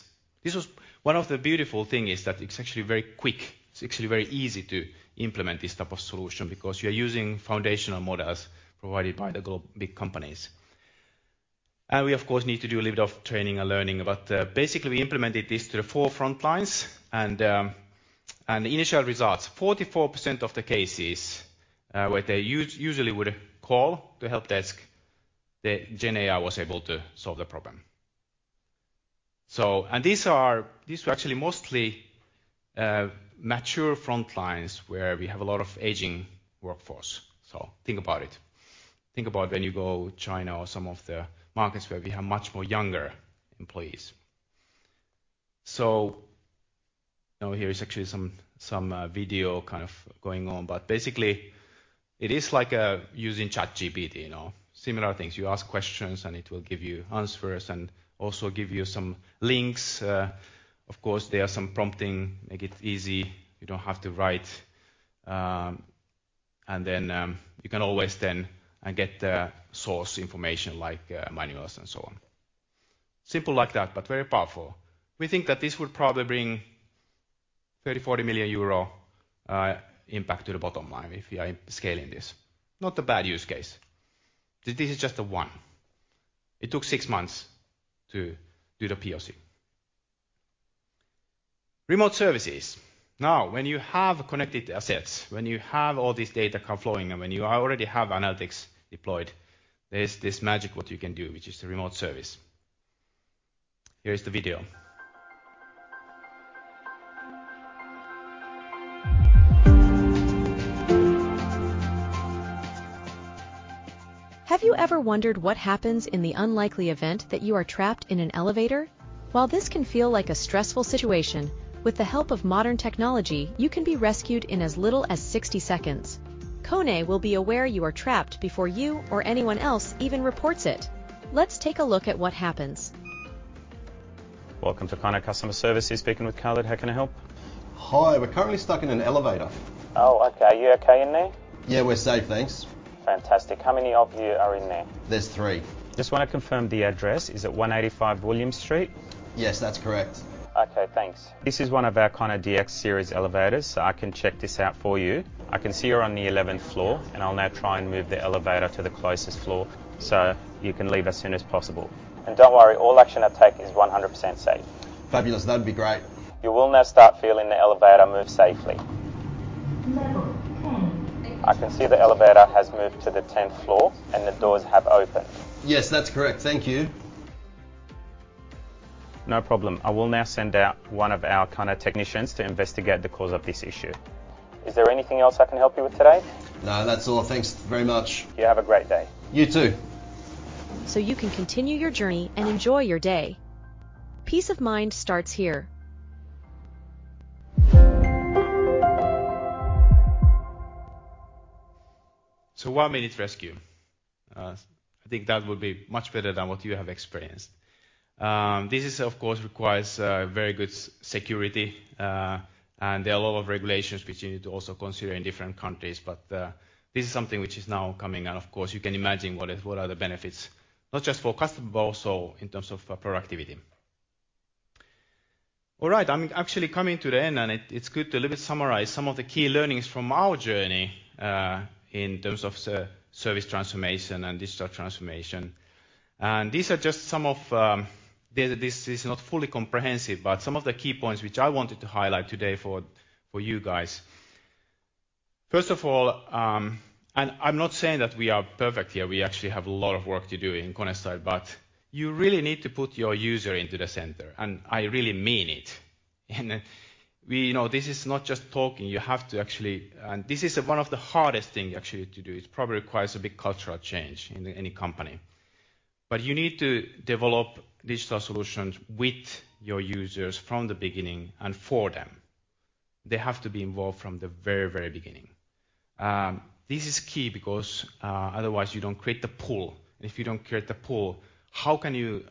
One of the beautiful thing is that it's actually very quick. It's actually very easy to implement this type of solution because you're using foundational models provided by the big companies. And we, of course, need to do a little bit of training and learning, but basically, we implemented this to the four frontlines, and the initial results, 44% of the cases where they usually would call the help desk, the GenAI was able to solve the problem. So... And these are, these were actually mostly mature frontlines where we have a lot of aging workforce. So think about it. Think about when you go China or some of the markets where we have much more younger employees. So now here is actually some video kind of going on, but basically, it is like using ChatGPT, you know, similar things. You ask questions, and it will give you answers and also give you some links. Of course, there are some prompting, make it easy. You don't have to write, and then you can always then get the source information, like manuals and so on. Simple like that, but very powerful. We think that this would probably bring 30 million-40 million euro impact to the bottom line if we are scaling this. Not a bad use case. This is just the one. It took six months to do the POC. Remote services. Now, when you have connected assets, when you have all this data come flowing, and when you already have analytics deployed, there's this magic what you can do, which is the remote service. Here is the video. Have you ever wondered what happens in the unlikely event that you are trapped in an elevator? While this can feel like a stressful situation, with the help of modern technology, you can be rescued in as little as 60 seconds. KONE will be aware you are trapped before you or anyone else even reports it. Let's take a look at what happens. Welcome to KONE customer service. You're speaking with Khalid. How can I help? Hi, we're currently stuck in an elevator. Oh, okay. Are you okay in there? Yeah, we're safe, thanks. Fantastic. How many of you are in there? There's three. Just wanna confirm the address. Is it one eighty-five William Street? Yes, that's correct. Okay, thanks. This is one of our KONE DX Series elevators, so I can check this out for you. I can see you're on the eleventh floor, and I'll now try and move the elevator to the closest floor, so you can leave as soon as possible. And don't worry, all action I take is 100% safe. Fabulous. That'd be great. You will now start feeling the elevator move safely. Level two. I can see the elevator has moved to the 10th floor, and the doors have opened. Yes, that's correct. Thank you. No problem. I will now send out one of our KONE technicians to investigate the cause of this issue. Is there anything else I can help you with today? No, that's all. Thanks very much. You have a great day. You, too. So you can continue your journey and enjoy your day. Peace of mind starts here. So one-minute rescue. I think that would be much better than what you have experienced. This is of course requires very good security and there are a lot of regulations which you need to also consider in different countries, but this is something which is now coming, and of course, you can imagine what are the benefits, not just for customer, but also in terms of productivity. All right, I'm actually coming to the end, and it's good to a little bit summarize some of the key learnings from our journey in terms of service transformation and digital transformation. These are just some of the. This is not fully comprehensive, but some of the key points which I wanted to highlight today for you guys. First of all, and I'm not saying that we are perfect here, we actually have a lot of work to do in KONE side, but you really need to put your user into the center, and I really mean it. You know, this is not just talking. You have to actually. And this is one of the hardest thing, actually, to do. It probably requires a big cultural change in any company. But you need to develop digital solutions with your users from the beginning and for them. They have to be involved from the very, very beginning. This is key because, otherwise you don't create the pull. And if you don't create the pull, how can you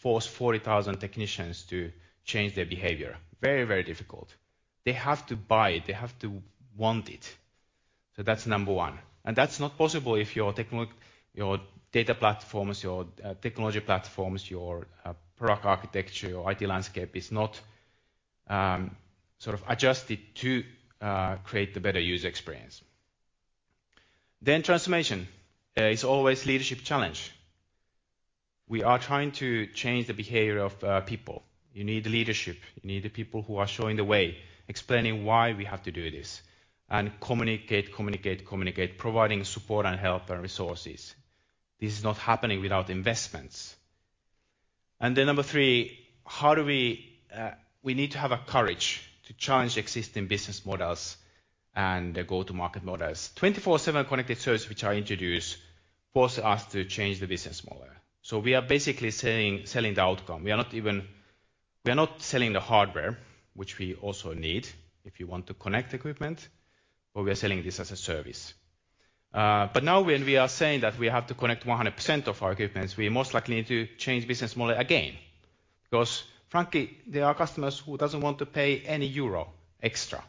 force 40,000 technicians to change their behavior? Very, very difficult. They have to buy it. They have to want it. So that's number one. And that's not possible if your data platforms, your technology platforms, your product architecture, your IT landscape is not sort of adjusted to create a better user experience. Then transformation is always leadership challenge. We are trying to change the behavior of people. You need leadership. You need the people who are showing the way, explaining why we have to do this, and communicate, communicate, communicate, providing support and help and resources. This is not happening without investments. And then number three: how do we need to have a courage to change existing business models and go-to-market models. 24/7 connected service, which I introduced, forced us to change the business model. So we are basically selling the outcome. We are not selling the hardware, which we also need if you want to connect equipment, but we are selling this as a service. But now when we are saying that we have to connect 100% of our equipments, we most likely need to change business model again. Because frankly, there are customers who doesn't want to pay any EUR extra,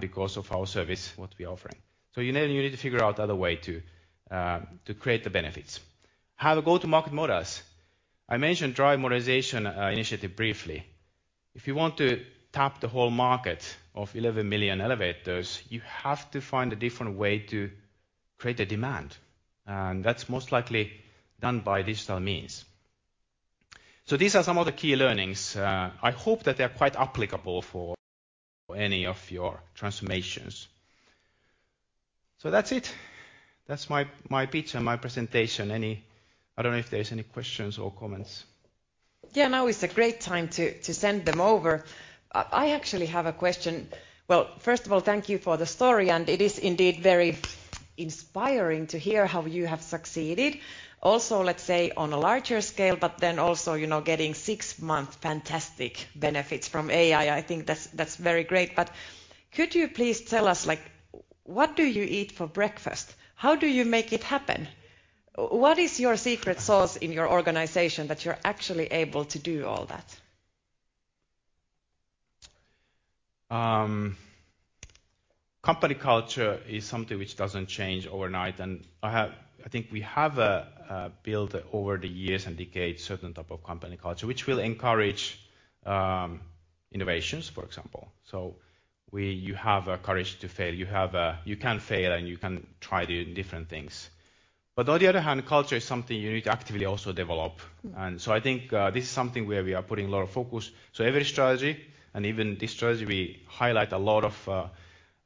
because of our service, what we are offering. So you then you need to figure out other way to, to create the benefits. Have a go-to-market models. I mentioned Drive Modernization Initiative briefly. If you want to tap the whole market of 11 million elevators, you have to find a different way to create a demand, and that's most likely done by digital means. So these are some of the key learnings. I hope that they are quite applicable for any of your transformations. So that's it. That's my pitch and my presentation. I don't know if there's any questions or comments. Yeah, now is a great time to send them over. I actually have a question. Well, first of all, thank you for the story, and it is indeed very inspiring to hear how you have succeeded. Also, let's say, on a larger scale, but then also, you know, getting six months fantastic benefits from AI, I think that's very great. But could you please tell us, like, what do you eat for breakfast? How do you make it happen? What is your secret sauce in your organization that you're actually able to do all that? Company culture is something which doesn't change overnight, and I think we have built over the years and decades a certain type of company culture, which will encourage innovations, for example. So you have a courage to fail. You have a... You can fail, and you can try doing different things. But on the other hand, culture is something you need to actively also develop. Mm. And so I think this is something where we are putting a lot of focus. So every strategy, and even this strategy, we highlight a lot of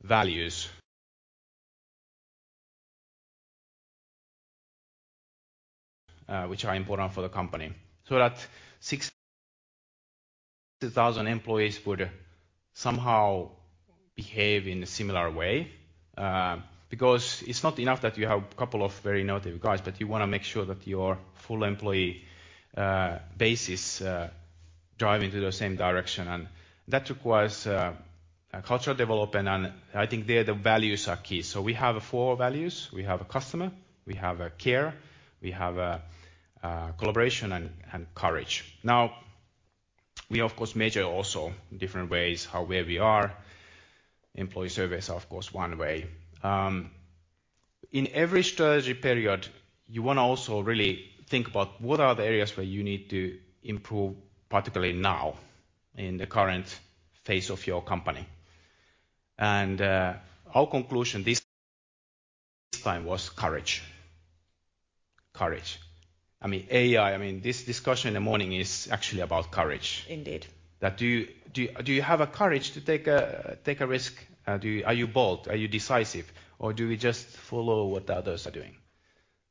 values which are important for the company. So that six thousand employees would somehow behave in a similar way because it's not enough that you have couple of very innovative guys, but you wanna make sure that your full employee base is driving to the same direction, and that requires a cultural development, and I think there, the values are key. So we have four values: We have a customer, we have a care, we have a collaboration, and courage. Now, we of course measure also different ways, how well we are. Employee surveys are, of course, one way. in every strategy period, you wanna also really think about what are the areas where you need to improve, particularly now in the current phase of your company, and our conclusion this time was courage. Courage. I mean, AI, I mean, this discussion in the morning is actually about courage. Indeed. Do you have a courage to take a risk? Do you... Are you bold? Are you decisive, or do you just follow what the others are doing?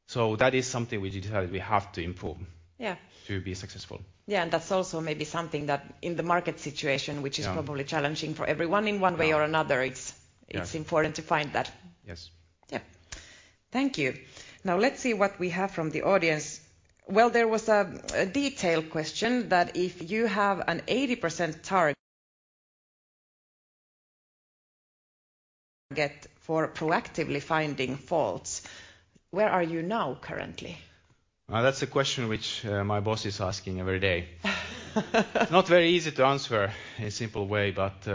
So that is something we decided we have to improve. Yeah. To be successful. Yeah, and that's also maybe something that in the market situation. Yeah. Which is probably challenging for everyone in one way or another. Yeah. It's important to find that. Yes. Yeah. Thank you. Now, let's see what we have from the audience. Well, there was a detailed question that if you have an 80% target for proactively finding faults, where are you now currently? That's a question which my boss is asking every day. Not very easy to answer in a simple way, but,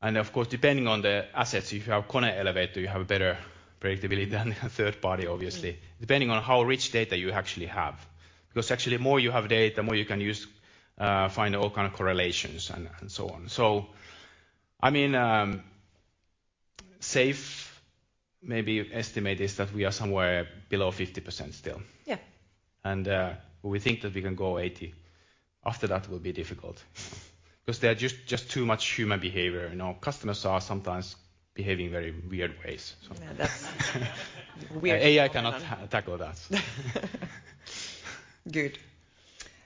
and of course, depending on the assets, if you have KONE elevator, you have a better predictability than a third party, obviously. Mm. Depending on how rich data you actually have. Because actually, the more you have data, the more you can use, find all kind of correlations and so on. So I mean, safe maybe estimate is that we are somewhere below 50% still. Yeah. We think that we can go 80. After that will be difficult because there are just too much human behavior. You know, customers are sometimes behaving in very weird ways, so. Yeah, that's weird. AI cannot tackle that. Good.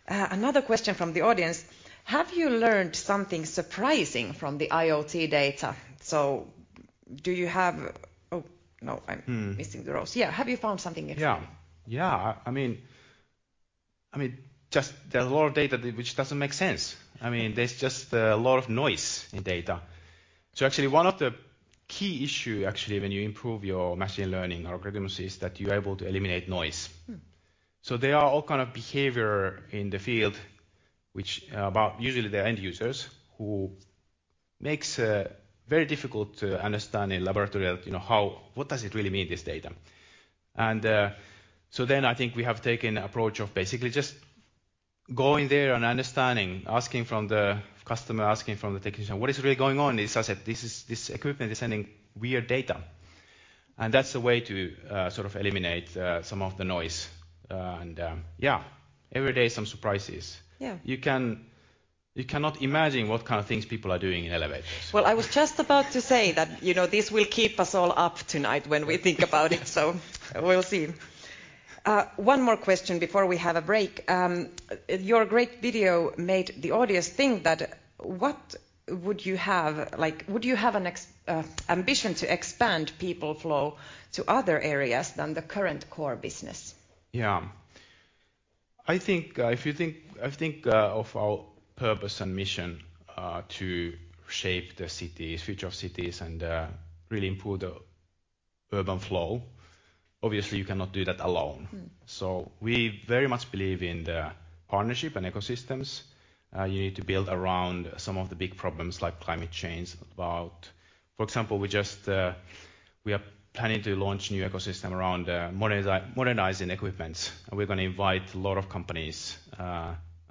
Another question from the audience: Have you learned something surprising from the IoT data? So do you have... Oh, no. Mm. I'm missing the rows. Yeah. Have you found something interesting? Yeah. Yeah, I mean, just there's a lot of data which doesn't make sense. I mean, there's just a lot of noise in data. So actually one of the key issue, actually, when you improve your machine learning or algorithms, is that you are able to eliminate noise. Mm. There are all kind of behavior in the field, which about usually the end users, who makes it very difficult to understand in laboratory, you know, what does it really mean, this data? So then I think we have taken the approach of basically just going there and understanding, asking from the customer, asking from the technician: "What is really going on in this asset? This is, this equipment is sending weird data." And that's the way to sort of eliminate some of the noise. And yeah, every day some surprises. Yeah. You cannot imagine what kind of things people are doing in elevators. I was just about to say that, you know, this will keep us all up tonight when we think about it, so we'll see. One more question before we have a break. Your great video made the audience think that what would you have? Like, would you have an ambition to expand people flow to other areas than the current core business? Yeah. I think if you think of our purpose and mission to shape the cities' future of cities and really improve the urban flow. Obviously, you cannot do that alone. Mm. So we very much believe in the partnership and ecosystems. You need to build around some of the big problems like climate change. For example, we just are planning to launch new ecosystem around modernizing equipment, and we're gonna invite a lot of companies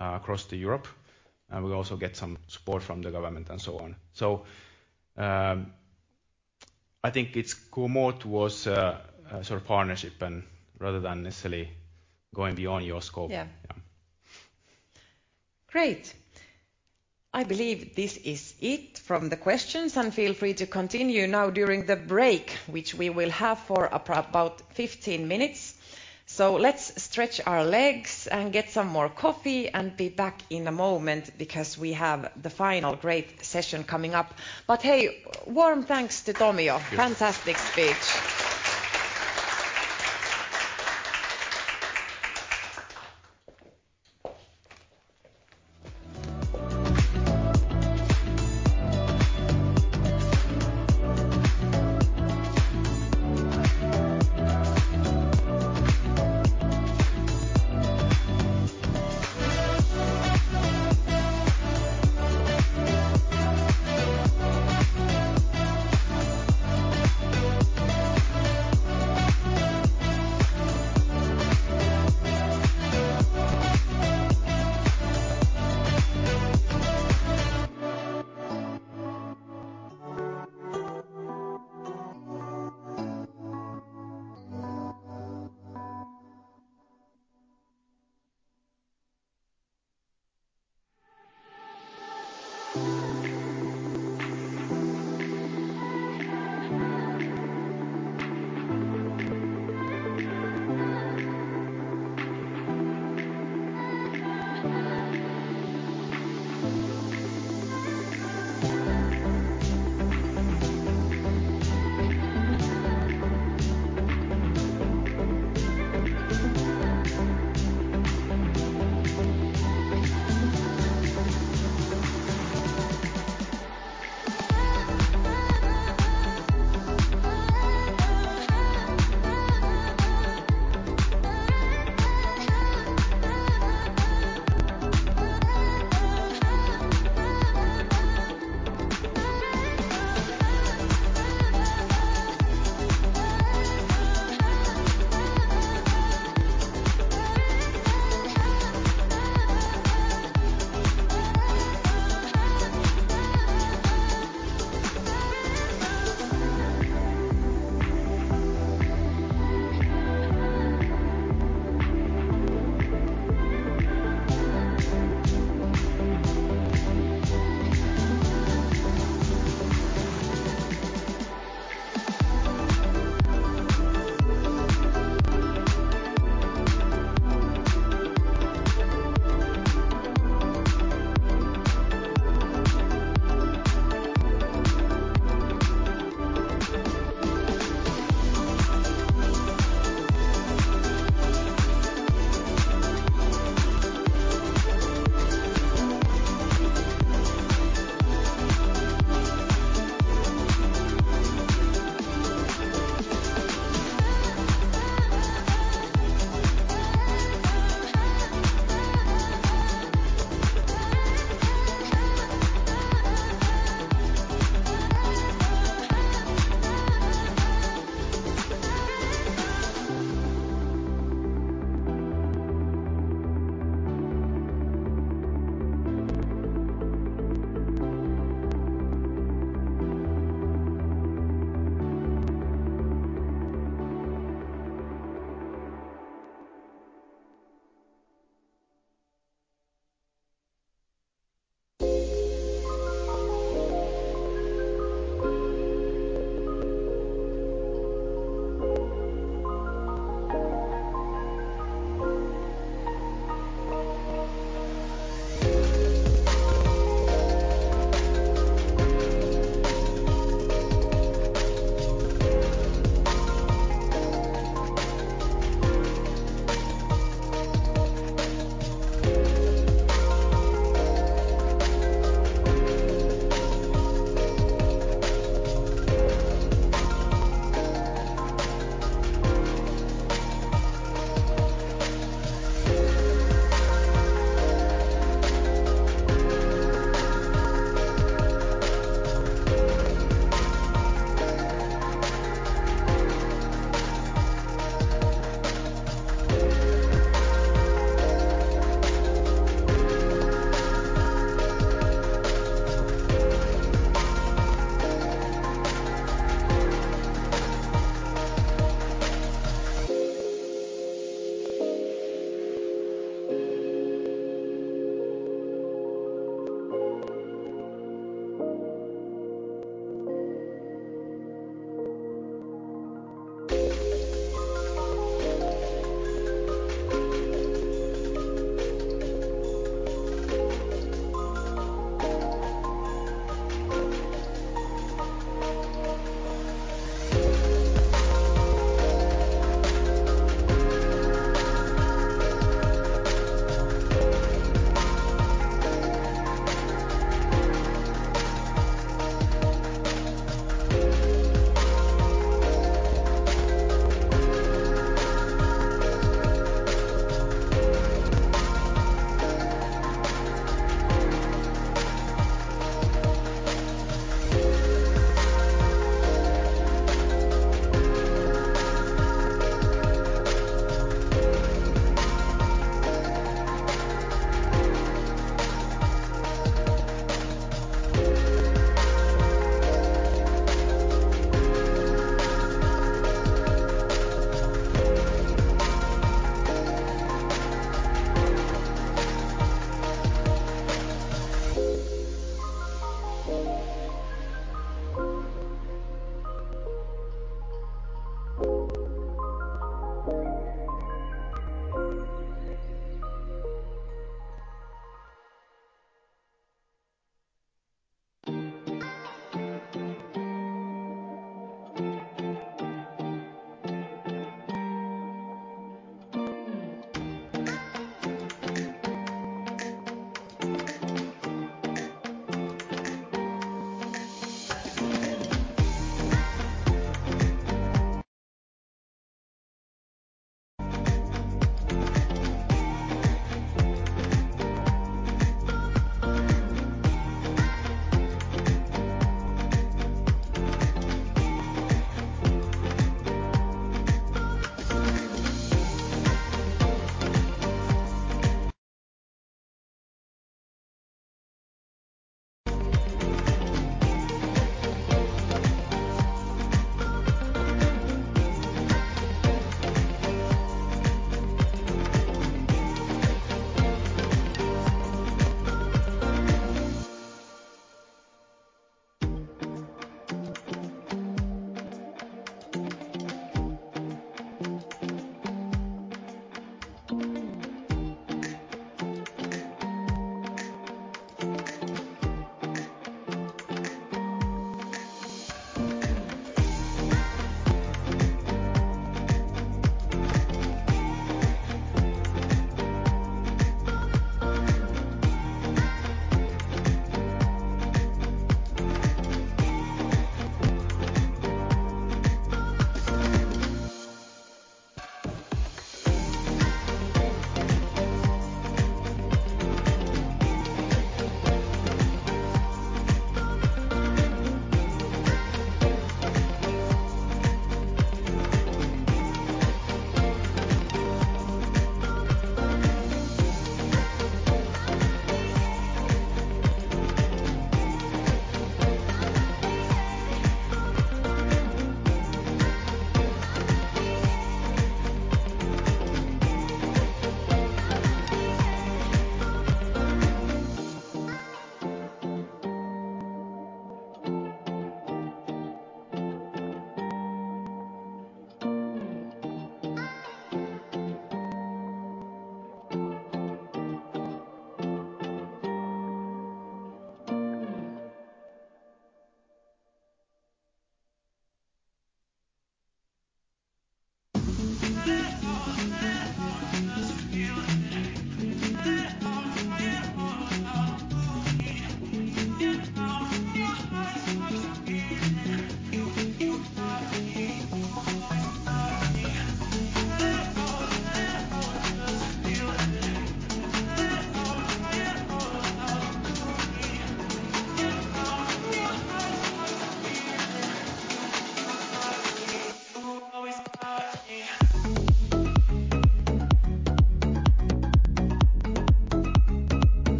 across the Europe, and we'll also get some support from the government and so on. I think it's going more towards sort of partnership and rather than necessarily going beyond your scope. Yeah. Yeah. Great! I believe this is it from the questions, and feel free to continue now during the break, which we will have for about fifteen minutes. So let's stretch our legs and get some more coffee and be back in a moment because we have the final great session coming up. But, hey, warm thanks to Tomio. Yes. Fantastic speech.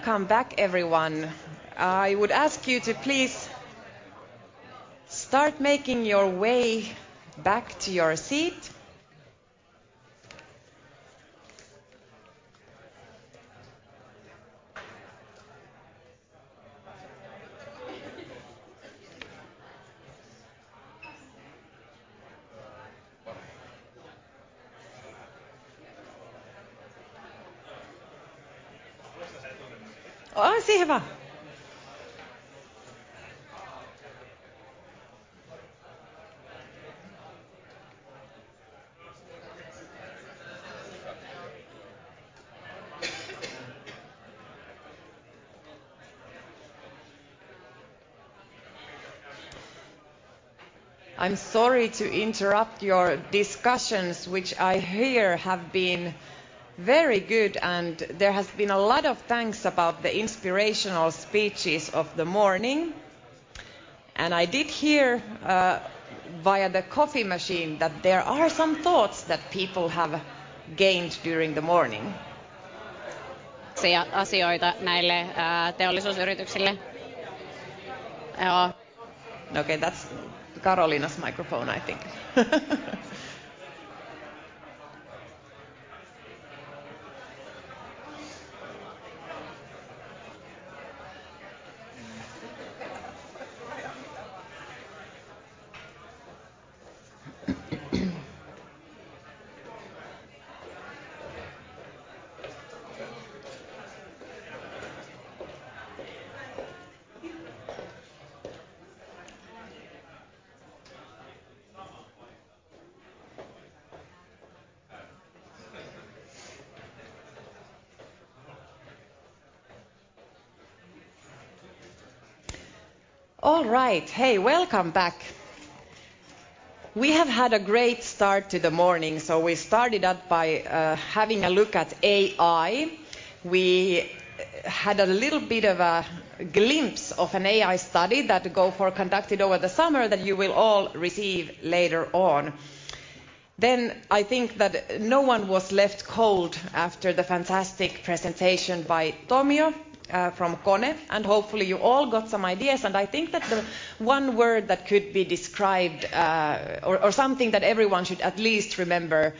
Welcome back, everyone. I would ask you to please start making your way back to your seat. I'm sorry to interrupt your discussions, which I hear have been very good, and there has been a lot of thanks about the inspirational speeches of the morning. And I did hear, via the coffee machine, that there are some thoughts that people have gained during the morning. Okay, that's Karolina's microphone, I think. All right. Hey, welcome back. We have had a great start to the morning, so we started out by having a look at AI. We had a little bit of a glimpse of an AI study that Gofore conducted over the summer that you will all receive later on. I think that no one was left cold after the fantastic presentation by Tomio from KONE, and hopefully you all got some ideas, and I think that the one word that could be described or something that everyone should at least remember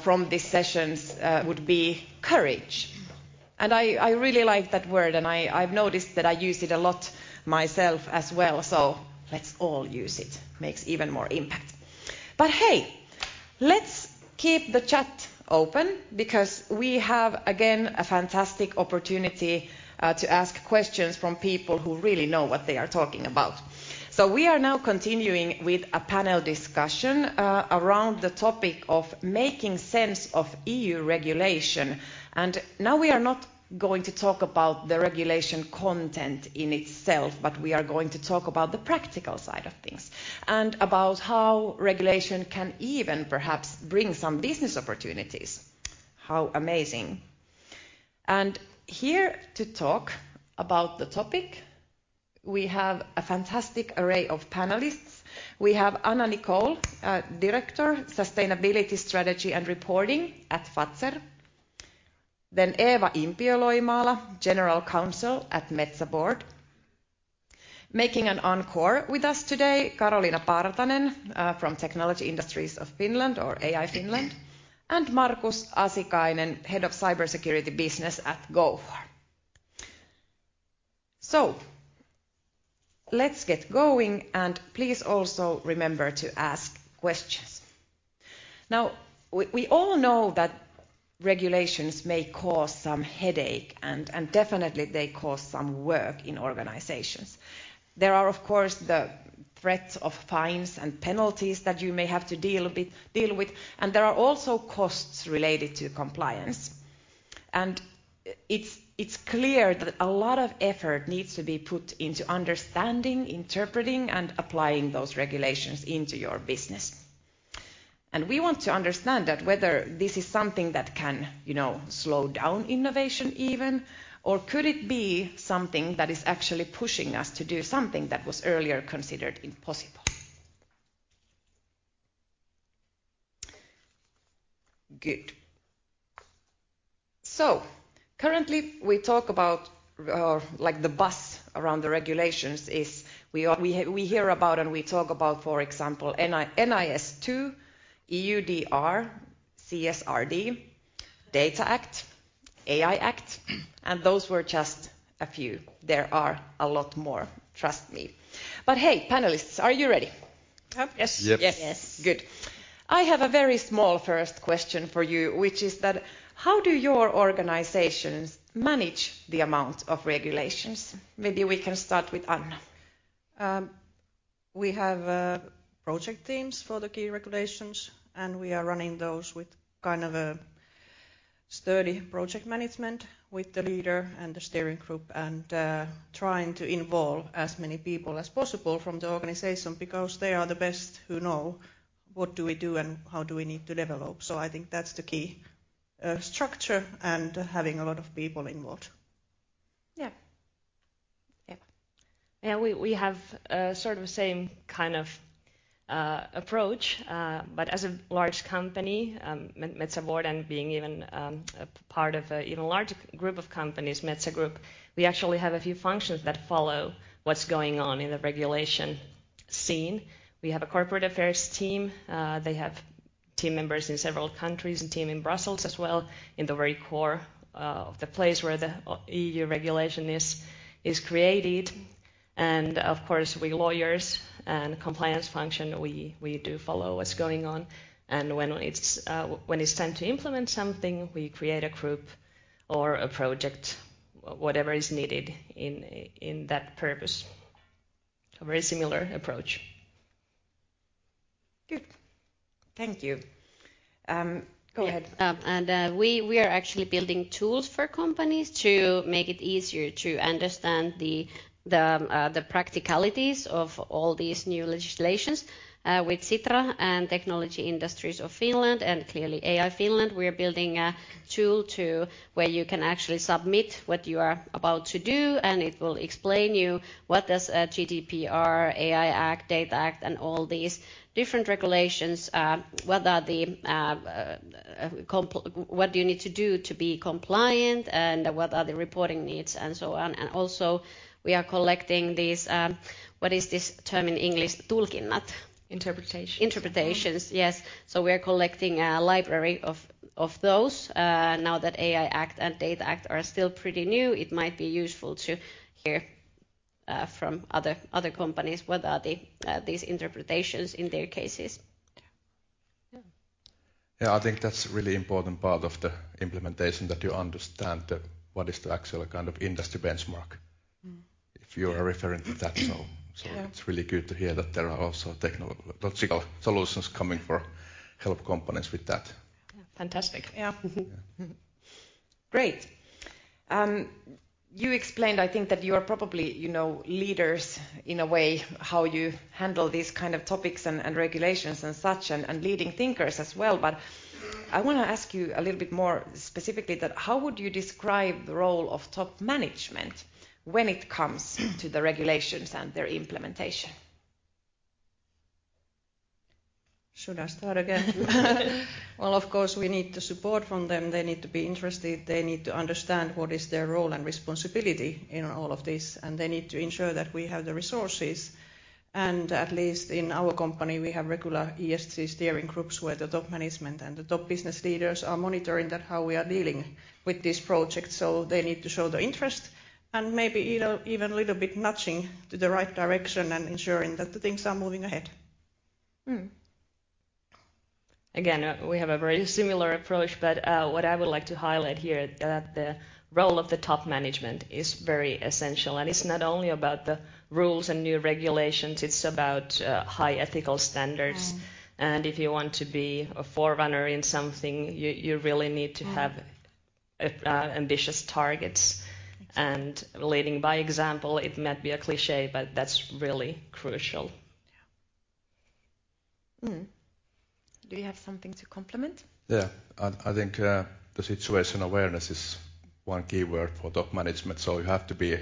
from these sessions would be courage. And I really like that word, and I've noticed that I use it a lot myself as well, so let's all use it. Makes even more impact. But hey, let's keep the chat open because we have, again, a fantastic opportunity to ask questions from people who really know what they are talking about. So we are now continuing with a panel discussion around the topic of making sense of EU regulation. And now we are not going to talk about the regulation content in itself, but we are going to talk about the practical side of things, and about how regulation can even perhaps bring some business opportunities. How amazing! And here to talk about the topic, we have a fantastic array of panelists. We have Anna Nicol, Director, Sustainability Strategy and Reporting at Fazer; then Eeva Impiö-Loimaala, General Counsel at Metsä Board. Making an encore with us today, Karoliina Partanen, from Technology Industries of Finland or AI Finland, and Markus Asikainen, Head of Cybersecurity Business at Gofore. So let's get going, and please also remember to ask questions. Now, we all know that regulations may cause some headache, and definitely they cause some work in organizations. There are, of course, the threats of fines and penalties that you may have to deal with, and there are also costs related to compliance. It's clear that a lot of effort needs to be put into understanding, interpreting, and applying those regulations into your business. We want to understand that whether this is something that can, you know, slow down innovation even, or could it be something that is actually pushing us to do something that was earlier considered impossible? Good. Currently, we talk about, like, the buzz around the regulations is we hear about and we talk about, for example, NIS, NIS2, EUDR, CSRD, Data Act, AI Act, and those were just a few. There are a lot more, trust me. Hey, panelists, are you ready? Yep. Yes. Yes. Yes. Good. I have a very small first question for you, which is that: how do your organizations manage the amount of regulations? Maybe we can start with Anna. We have project teams for the key regulations, and we are running those with kind of a sturdy project management, with the leader and the steering group, and trying to involve as many people as possible from the organization because they are the best who know what do we do and how do we need to develop. So I think that's the key structure, and having a lot of people involved. Yeah. Yeah. Yeah, we have a sort of same kind of approach, but as a large company, Metsä Board, and being even a part of an even larger group of companies, Metsä Group, we actually have a few functions that follow what's going on in the regulation scene. We have a corporate affairs team. They have team members in several countries, and a team in Brussels as well, in the very core of the place where the EU regulation is created. And of course, our lawyers and compliance function, we do follow what's going on, and when it's time to implement something, we create a group or a project, whatever is needed in that purpose. A very similar approach. Good. Thank you. Go ahead. Yeah, and we are actually building tools for companies to make it easier to understand the practicalities of all these new legislations with Sitra and Technology Industries of Finland, and clearly AI Finland, we are building a tool to where you can actually submit what you are about to do, and it will explain you what does a GDPR, AI Act, Data Act, and all these different regulations. What are the? What do you need to do to be compliant, and what are the reporting needs, and so on. And also, we are collecting these, what is this term in English? Interpretations. Interpretations, yes. So we are collecting a library of those. Now that AI Act and Data Act are still pretty new, it might be useful to hear from other companies what are these interpretations in their cases. Yeah. Yeah. Yeah, I think that's a really important part of the implementation, that you understand what is the actual kind of industry benchmark. Mm. If you are referring to that. Yeah. So it's really good to hear that there are also technological solutions coming to help companies with that. Fantastic. Yeah. Great. You explained, I think, that you are probably, you know, leaders in a way, how you handle these kind of topics and regulations and such, and leading thinkers as well. But I wanna ask you a little bit more specifically that: how would you describe the role of top management when it comes to the regulations and their implementation? Should I start again? Of course, we need the support from them. They need to be interested, they need to understand what is their role and responsibility in all of this, and they need to ensure that we have the resources. At least in our company, we have regular ESG steering groups, where the top management and the top business leaders are monitoring that, how we are dealing with this project. They need to show the interest, and maybe even a little bit nudging to the right direction and ensuring that the things are moving ahead. Mm. Again, we have a very similar approach, but what I would like to highlight here, that the role of the top management is very essential, and it's not only about the rules and new regulations, it's about high ethical standards. Mm. If you want to be a forerunner in something, you really need to have ambitious targets. And leading by example, it might be a cliché, but that's really crucial. Yeah. Do you have something to complement? Yeah. I think the situation awareness is one key word for top management, so you have to be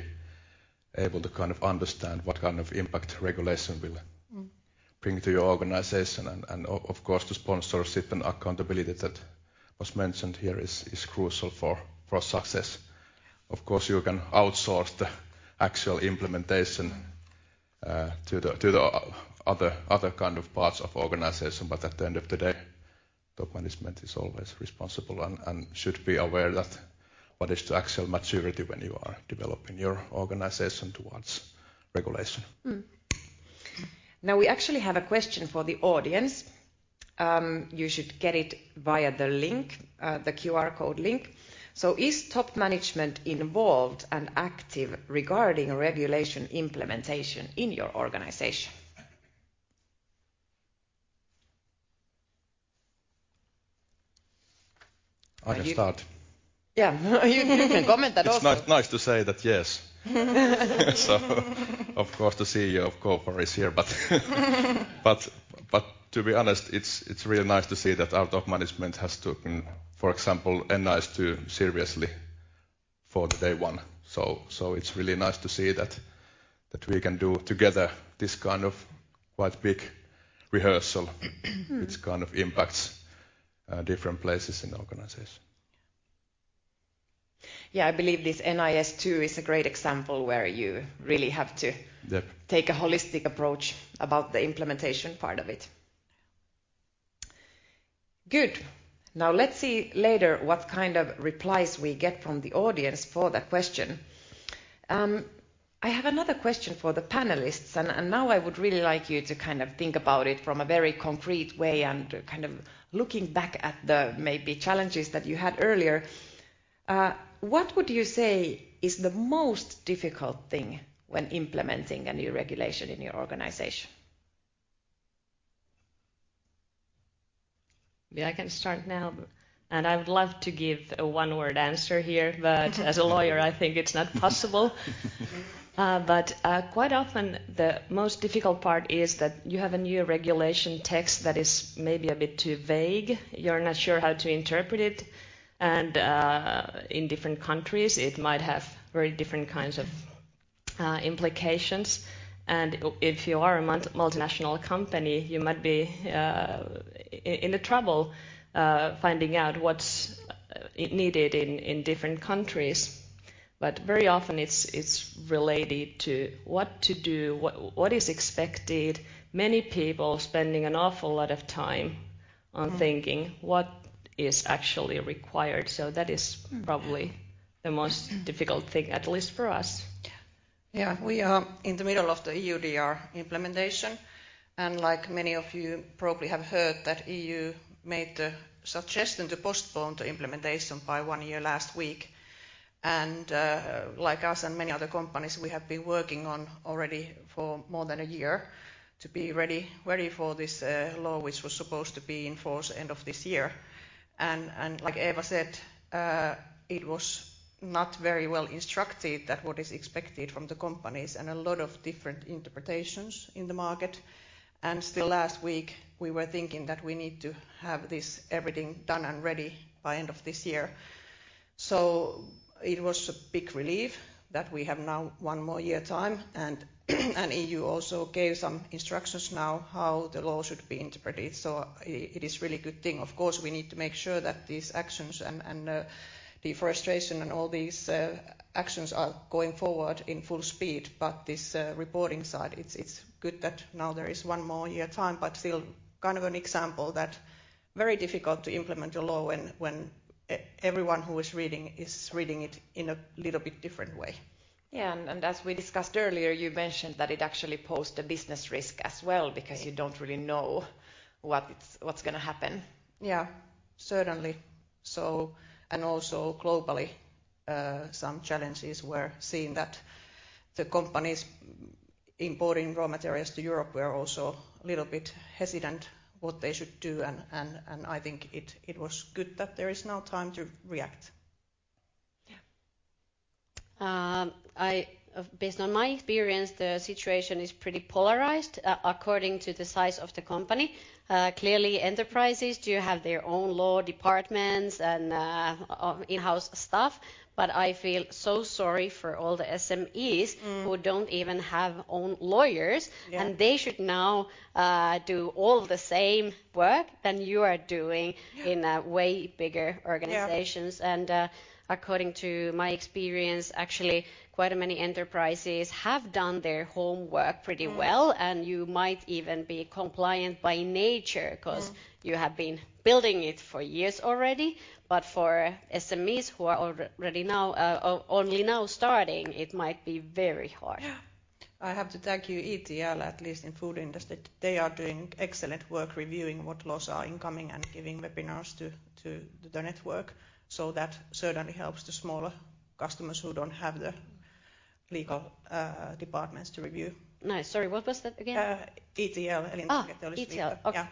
able to kind of understand what kind of impact regulation will bring to your organization. And of course, the sponsorship and accountability that was mentioned here is crucial for success. Of course, you can outsource the actual implementation to the other kind of parts of organization, but at the end of the day, top management is always responsible and should be aware that what is the actual maturity when you are developing your organization towards regulation. Now, we actually have a question for the audience. You should get it via the link, the QR code link. So is top management involved and active regarding regulation implementation in your organization? I can start. Yeah, you can comment that also. It's nice to say that, yes. So of course, the CEO of Coor is here, but to be honest, it's really nice to see that our top management has taken, for example, NIS2 seriously from day one. So it's really nice to see that we can do together this kind of quite big rehearsal, which kind of impacts different places in the organization. Yeah, I believe this NIS2 is a great example where you really have to- Yeah. Take a holistic approach about the implementation part of it. Good. Now, let's see later what kind of replies we get from the audience for that question. I have another question for the panelists, and now I would really like you to kind of think about it from a very concrete way and kind of looking back at the maybe challenges that you had earlier. What would you say is the most difficult thing when implementing a new regulation in your organization? Yeah, I can start now, but. And I would love to give a one-word answer here, but as a lawyer, I think it's not possible. Quite often the most difficult part is that you have a new regulation text that is maybe a bit too vague. You're not sure how to interpret it, and in different countries, it might have very different kinds of implications, and if you are a multinational company, you might be in the trouble finding out what's needed in different countries, but very often, it's related to what to do, what is expected. Many people spending an awful lot of time on thinking what is actually required, so that is probably the most difficult thing, at least for us. Yeah. Yeah, we are in the middle of the EUDR implementation, and like many of you probably have heard, that EU made the suggestion to postpone the implementation by one year last week. Like us and many other companies, we have been working on already for more than a year to be ready for this law, which was supposed to be in force end of this year. Like Eeva said, it was not very well instructed that what is expected from the companies, and a lot of different interpretations in the market. Still last week, we were thinking that we need to have this everything done and ready by end of this year. So it was a big relief that we have now one more year time, and EU also gave some instructions now how the law should be interpreted, so it is really good thing. Of course, we need to make sure that these actions and deforestation and all these actions are going forward in full speed, but this reporting side, it's good that now there is one more year time, but still kind of an example that very difficult to implement a law when everyone who is reading is reading it in a little bit different way. Yeah, and, and as we discussed earlier, you mentioned that it actually posed a business risk as well, because you don't really know what's gonna happen. Yeah. Certainly, so... And also globally, some challenges we're seeing that the companies importing raw materials to Europe were also a little bit hesitant what they should do, and I think it was good that there is now time to react. Yeah. Based on my experience, the situation is pretty polarized according to the size of the company. Clearly, enterprises do have their own law departments and in-house staff, but I feel so sorry for all the SMEs- Mm.... who don't even have own lawyers. Yeah. And they should now do all the same work than you are doing- Yeah. In a way bigger organizations. Yeah. According to my experience, actually, quite many enterprises have done their homework pretty well. Mm. And you might even be compliant by nature 'cause you have been building it for years already. But for SMEs who are already now, only now starting, it might be very hard. Yeah. I have to thank you, ETL, at least in food industry. They are doing excellent work, reviewing what laws are incoming and giving webinars to the network. So that certainly helps the smaller customers who don't have the legal departments to review. Nice. Sorry, what was that again? ETL, Elintarviketeollisuusliitto. Ah, ETL. Yeah.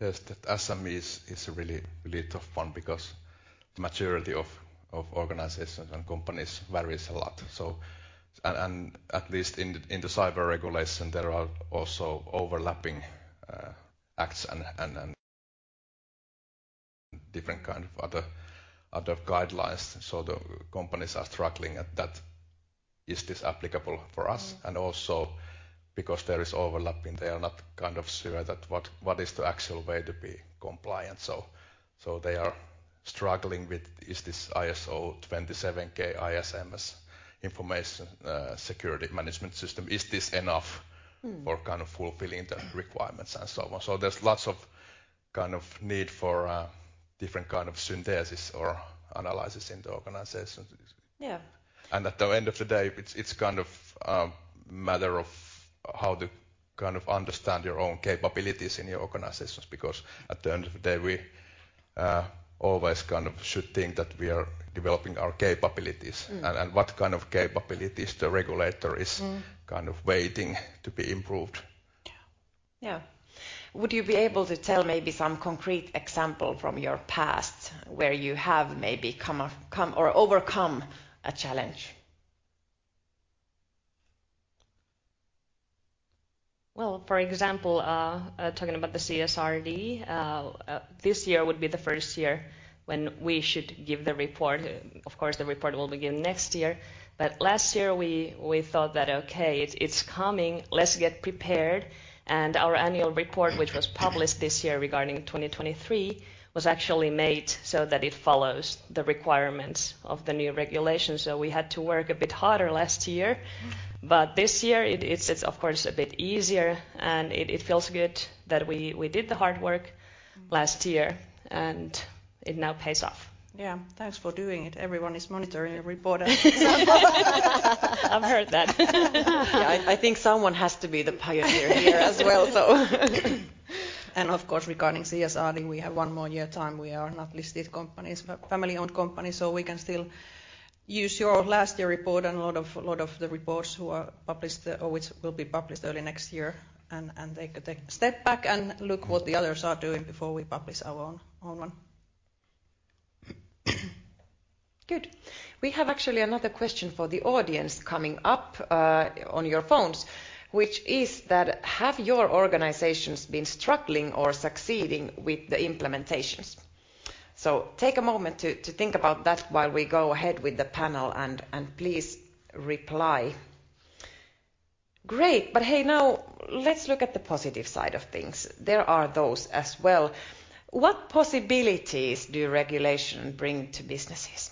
Yes, the SMEs is a really, really tough one because the maturity of organizations and companies varies a lot. So and at least in the cyber regulation, there are also overlapping acts and different kind of other guidelines. So the companies are struggling at that, "Is this applicable for us? Mm. Also, because there is overlapping, they are not kind of sure that what is the actual way to be compliant. They are struggling with, "Is this ISO 27000 ISMS information security management system, is this enough- Mm. For kind of fulfilling the requirements, and so on?" So there's lots of kind of need for different kind of synthesis or analysis in the organization. Yeah. And at the end of the day, it's kind of matter of how to kind of understand your own capabilities in your organizations. Because at the end of the day, we always kind of should think that we are developing our capabilities and what kind of capabilities the regulator is kind of waiting to be improved. Would you be able to tell maybe some concrete example from your past where you have maybe overcome a challenge? For example, talking about the CSRD, this year would be the first year when we should give the report. Of course, the report will begin next year, but last year we thought that, okay, it's coming, let's get prepared. Our annual report, which was published this year regarding 2023, was actually made so that it follows the requirements of the new regulations. So we had to work a bit harder last year. Mm. But this year it's of course a bit easier, and it feels good that we did the hard work last year, and it now pays off. Yeah. Thanks for doing it. Everyone is monitoring your report. I've heard that. Yeah, I think someone has to be the pioneer here as well, so... And of course, regarding CSRD, we have one more year time. We are not listed companies, but family-owned company, so we can still use your last year report and a lot of the reports who are published or which will be published early next year, and take a step back and look what the others are doing before we publish our own one. Good. We have actually another question for the audience coming up, on your phones, which is that: have your organizations been struggling or succeeding with the implementations? So take a moment to think about that while we go ahead with the panel, and please reply. Great, but hey, now, let's look at the positive side of things. There are those as well. What possibilities do regulation bring to businesses?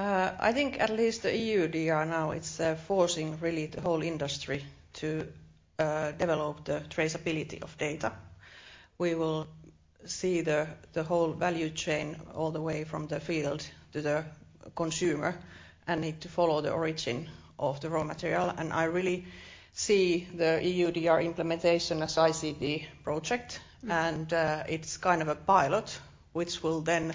I think at least the EU, they are now. It's forcing really the whole industry to develop the traceability of data. We will see the whole value chain all the way from the field to the consumer, and need to follow the origin of the raw material. I really see the EUDR implementation as ICD project. Mm. And, it's kind of a pilot, which will then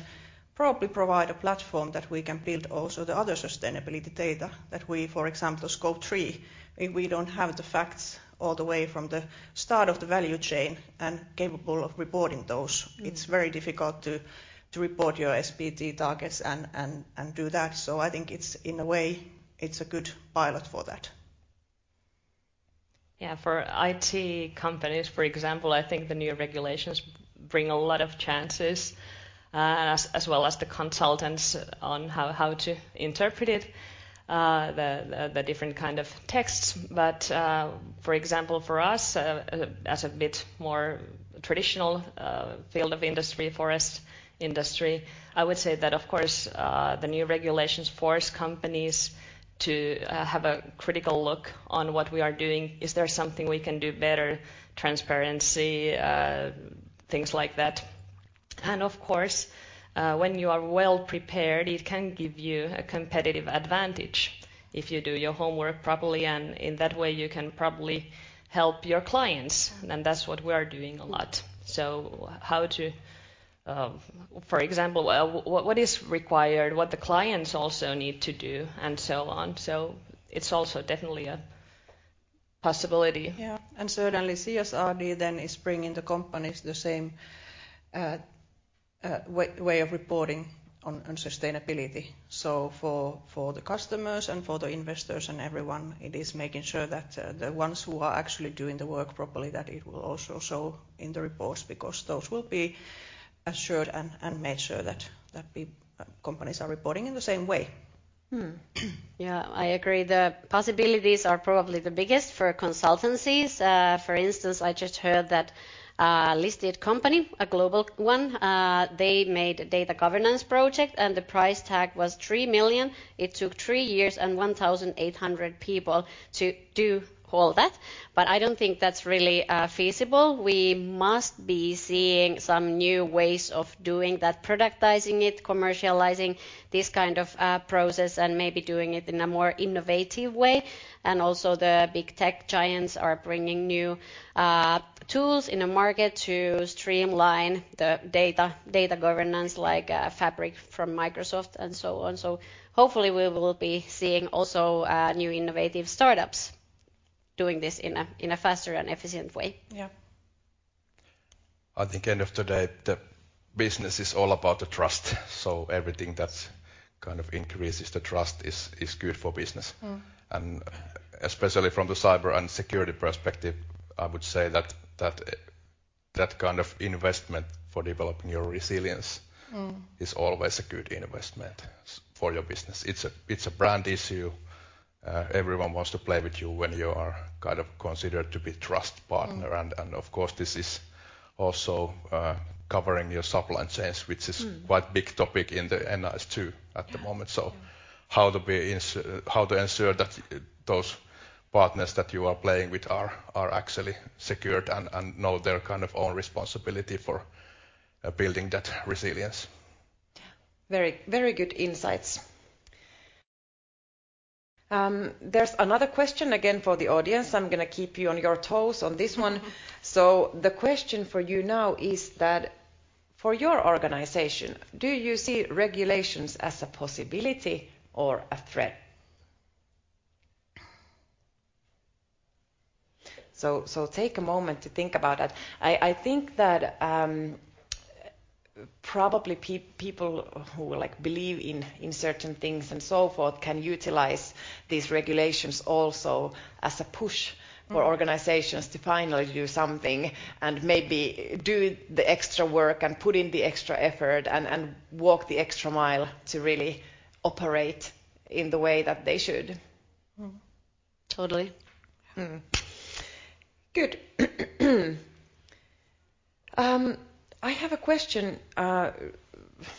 probably provide a platform that we can build also the other sustainability data that we... For example, Scope 3, if we don't have the facts all the way from the start of the value chain and capable of reporting those- Mm. It's very difficult to report your SBT targets and do that. So I think it's, in a way, a good pilot for that. Yeah, for IT companies, for example, I think the new regulations bring a lot of chances, as well as the consultants on how to interpret it, the different kind of texts. But, for example, for us, as a bit more traditional field of industry, forest industry, I would say that, of course, the new regulations force companies to have a critical look on what we are doing. Is there something we can do better? Transparency, things like that. And of course, when you are well-prepared, it can give you a competitive advantage if you do your homework properly, and in that way, you can probably help your clients, and that's what we are doing a lot. So how to... For example, what is required, what the clients also need to do, and so on. So it's also definitely a possibility. Yeah, and certainly CSRD then is bringing the companies the same way of reporting on sustainability. So for the customers and for the investors and everyone, it is making sure that the ones who are actually doing the work properly, that it will also show in the reports, because those will be assured and made sure that companies are reporting in the same way. Mm. Yeah, I agree. The possibilities are probably the biggest for consultancies. For instance, I just heard that listed company, a global one, they made a data governance project, and the price tag was 3 million. It took three years and 1,800 people to do all that, but I don't think that's really feasible. We must be seeing some new ways of doing that, productizing it, commercializing this kind of process, and maybe doing it in a more innovative way. And also, the big tech giants are bringing new tools in the market to streamline the data, data governance, like Microsoft Fabric, and so on. So hopefully, we will be seeing also new innovative startups doing this in a faster and efficient way. Yeah. I think end of the day, the business is all about the trust, so everything that kind of increases the trust is good for business. Mm. Especially from the cyber and security perspective, I would say that kind of investment for developing your resilience- Mm.... is always a good investment for your business. It's a, it's a brand issue. Everyone wants to play with you when you are kind of considered to be a trusted partner. Mm. And of course, this is also covering your supply chains, which is- Mm. Quite big topic in the NIS2 at the moment. Yeah. How to ensure that those partners that you are playing with are actually secured and know their kind of own responsibility for building that resilience? Yeah. Very, very good insights. There's another question again for the audience. I'm gonna keep you on your toes on this one. So the question for you now is that: for your organization, do you see regulations as a possibility or a threat? So take a moment to think about that. I think that probably people who, like, believe in certain things and so forth can utilize these regulations also as a push for organizations to finally do something and maybe do the extra work and put in the extra effort, and, and walk the extra mile to really operate in the way that they should. Mm-hmm. Totally. Mm-hmm. Good. I have a question,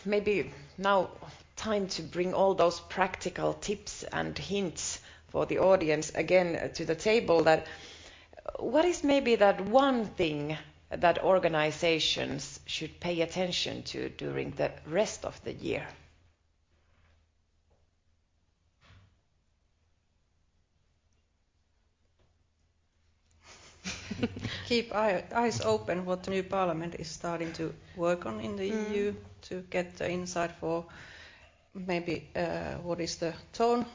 maybe now time to bring all those practical tips and hints for the audience again to the table, that what is maybe that one thing that organizations should pay attention to during the rest of the year? Keep eyes open what the new parliament is starting to work on in the EU. Mm. To get the insight for maybe what is the tone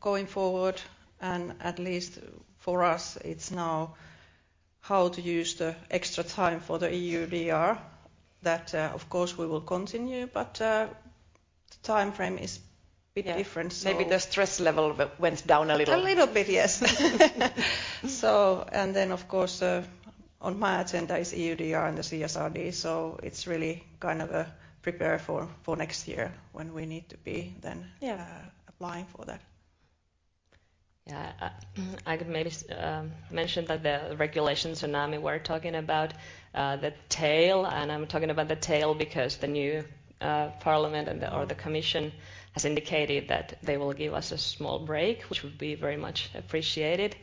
going forward. And at least for us, it's now how to use the extra time for the EUDR. That, of course, we will continue, but the timeframe is a bit different, so- Yeah, maybe the stress level went down a little. A little bit, yes. So, and then, of course, on my agenda is EUDR and the CSRD, so it's really kind of a prepare for, for next year, when we need to be then- Yeah.... applying for that. I could maybe mention that the regulation tsunami we're talking about, the tail, and I'm talking about the tail because the new parliament and or the commission has indicated that they will give us a small break, which would be very much appreciated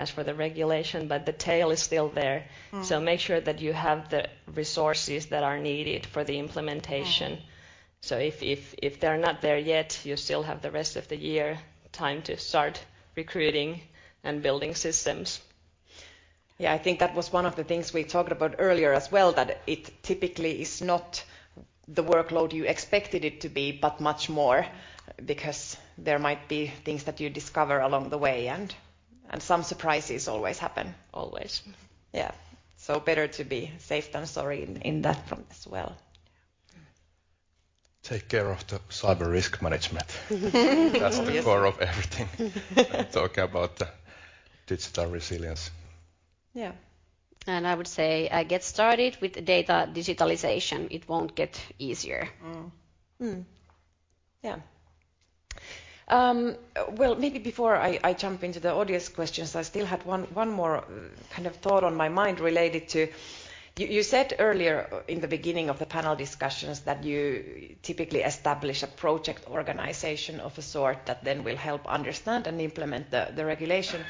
as for the regulation, but the tail is still there. Mm. Make sure that you have the resources that are needed for the implementation. Right. So if they're not there yet, you still have the rest of the year time to start recruiting and building systems. Yeah, I think that was one of the things we talked about earlier as well, that it typically is not the workload you expected it to be, but much more, because there might be things that you discover along the way, and some surprises always happen. Yeah. So better to be safe than sorry in that front as well. Take care of the cyber risk management. Yes. That's the core of everything, when talking about the digital resilience. Yeah. I would say, get started with data digitalization. It won't get easier. Yeah. Well, maybe before I jump into the audience questions, I still had one more kind of thought on my mind related to... You said earlier in the beginning of the panel discussions that you typically establish a project organization of a sort that then will help understand and implement the regulation.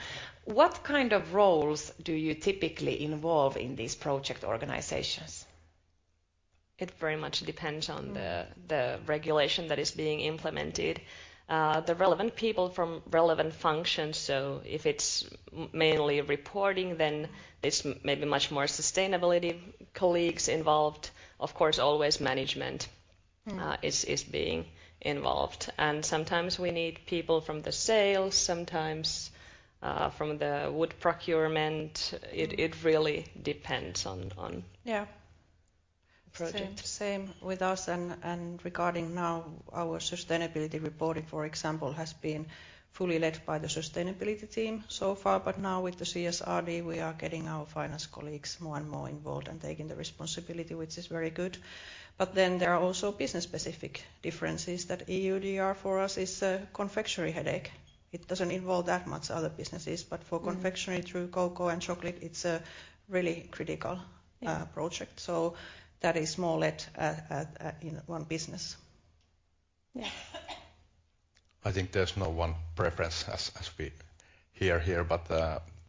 What kind of roles do you typically involve in these project organizations? It very much depends on the the regulation that is being implemented. The relevant people from relevant functions, so if it's mainly reporting, then it's maybe much more sustainability colleagues involved. Of course, always management is being involved. And sometimes we need people from the sales, sometimes, from the wood procurement. It really depends on. Yeah. Project. Same with us, and, and regarding now our sustainability reporting, for example, has been fully led by the sustainability team so far, but now with the CSRD, we are getting our finance colleagues more and more involved and taking the responsibility, which is very good. But then there are also business-specific differences that EUDR, for us, is a confectionery headache. It doesn't involve that much other businesses, but for confectionery, through cocoa and chocolate, it's a really critical- Yeah.... project, so that is more led in one business. Yeah. I think there's no one preference as, as we hear here, but,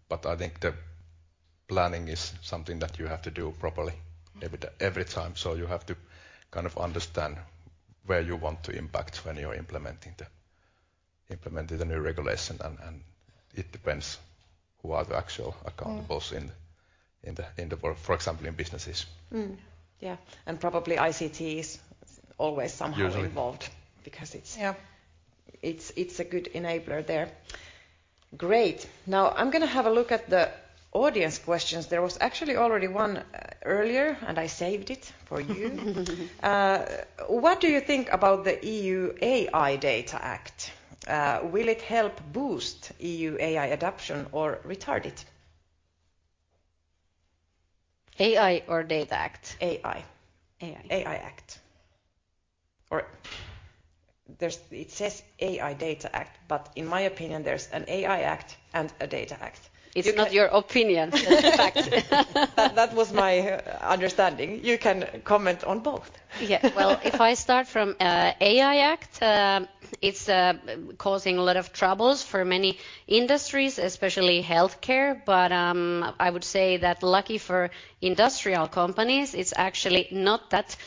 but I think the planning is something that you have to do properly every time. So you have to kind of understand where you want to impact when you're implementing implementing a new regulation, and, and it depends who are the actual accountables- Mm.... in the work, for example, in businesses. Yeah, and probably ICT is always somehow- Usually.... involved because it's- Yeah.... it's a good enabler there. Great. Now, I'm gonna have a look at the audience questions. There was actually already one earlier, and I saved it for you. What do you think about the EU AI Data Act? Will it help boost EU AI adoption or retard it? AI or Data Act? AI. AI. AI Act... or there's, it says AI Data Act, but in my opinion, there's an AI Act and a Data Act. It's not your opinion. That was my understanding. You can comment on both. Yeah. Well, if I start from AI Act, it's causing a lot of troubles for many industries, especially healthcare, but I would say that lucky for industrial companies, it's actually not that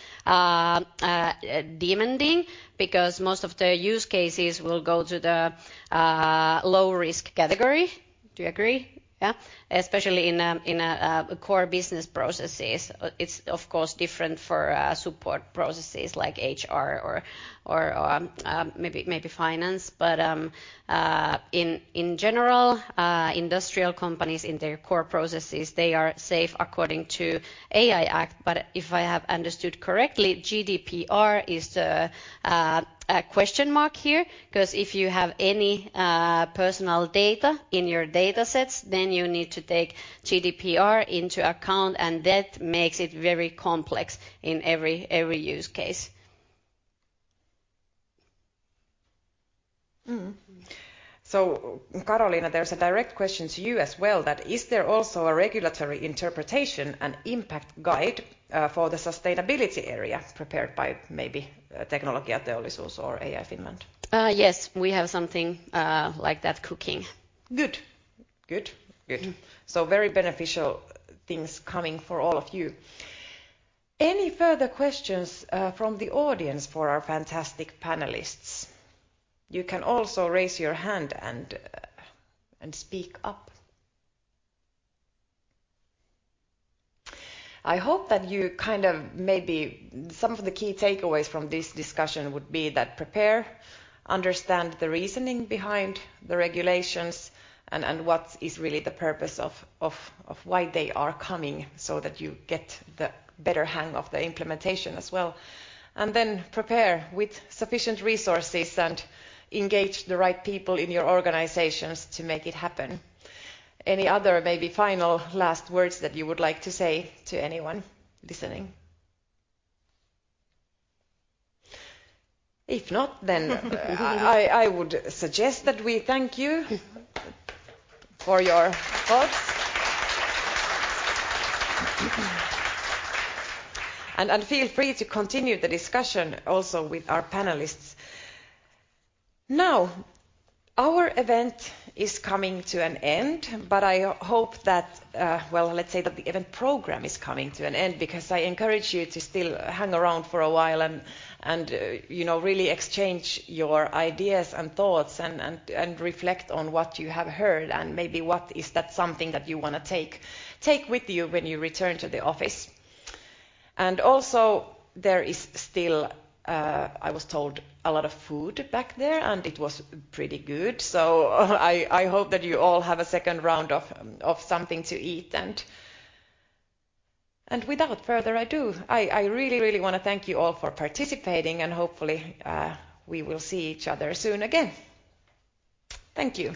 demanding, because most of the use cases will go to the low-risk category. Do you agree? Yeah. Especially in a core business processes. It's of course different for support processes like HR or maybe finance, but in general, industrial companies in their core processes, they are safe according to AI Act. But if I have understood correctly, GDPR is a question mark here, 'cause if you have any personal data in your datasets, then you need to take GDPR into account, and that makes it very complex in every use case. Mm-hmm. So Karoliina, there's a direct question to you as well, that is there also a regulatory interpretation and impact guide for the sustainability area prepared by maybe Teknologiateollisuus or AI Finland? Yes, we have something like that cooking. Good. Good. Good. Mm. So very beneficial things coming for all of you. Any further questions from the audience for our fantastic panelists? You can also raise your hand and speak up. I hope that you kind of maybe... Some of the key takeaways from this discussion would be that prepare, understand the reasoning behind the regulations, and what is really the purpose of why they are coming, so that you get the better hang of the implementation as well. And then prepare with sufficient resources and engage the right people in your organizations to make it happen. Any other maybe final last words that you would like to say to anyone listening? If not, then I would suggest that we thank you for your thoughts. And feel free to continue the discussion also with our panelists. Now, our event is coming to an end, but I hope that, well, let's say that the event program is coming to an end, because I encourage you to still hang around for a while and you know, really exchange your ideas and thoughts, and reflect on what you have heard, and maybe what is that something that you wanna take with you when you return to the office, and also, there is still, I was told, a lot of food back there, and it was pretty good, so I hope that you all have a second round of something to eat, and without further ado, I really, really wanna thank you all for participating, and hopefully, we will see each other soon again. Thank you!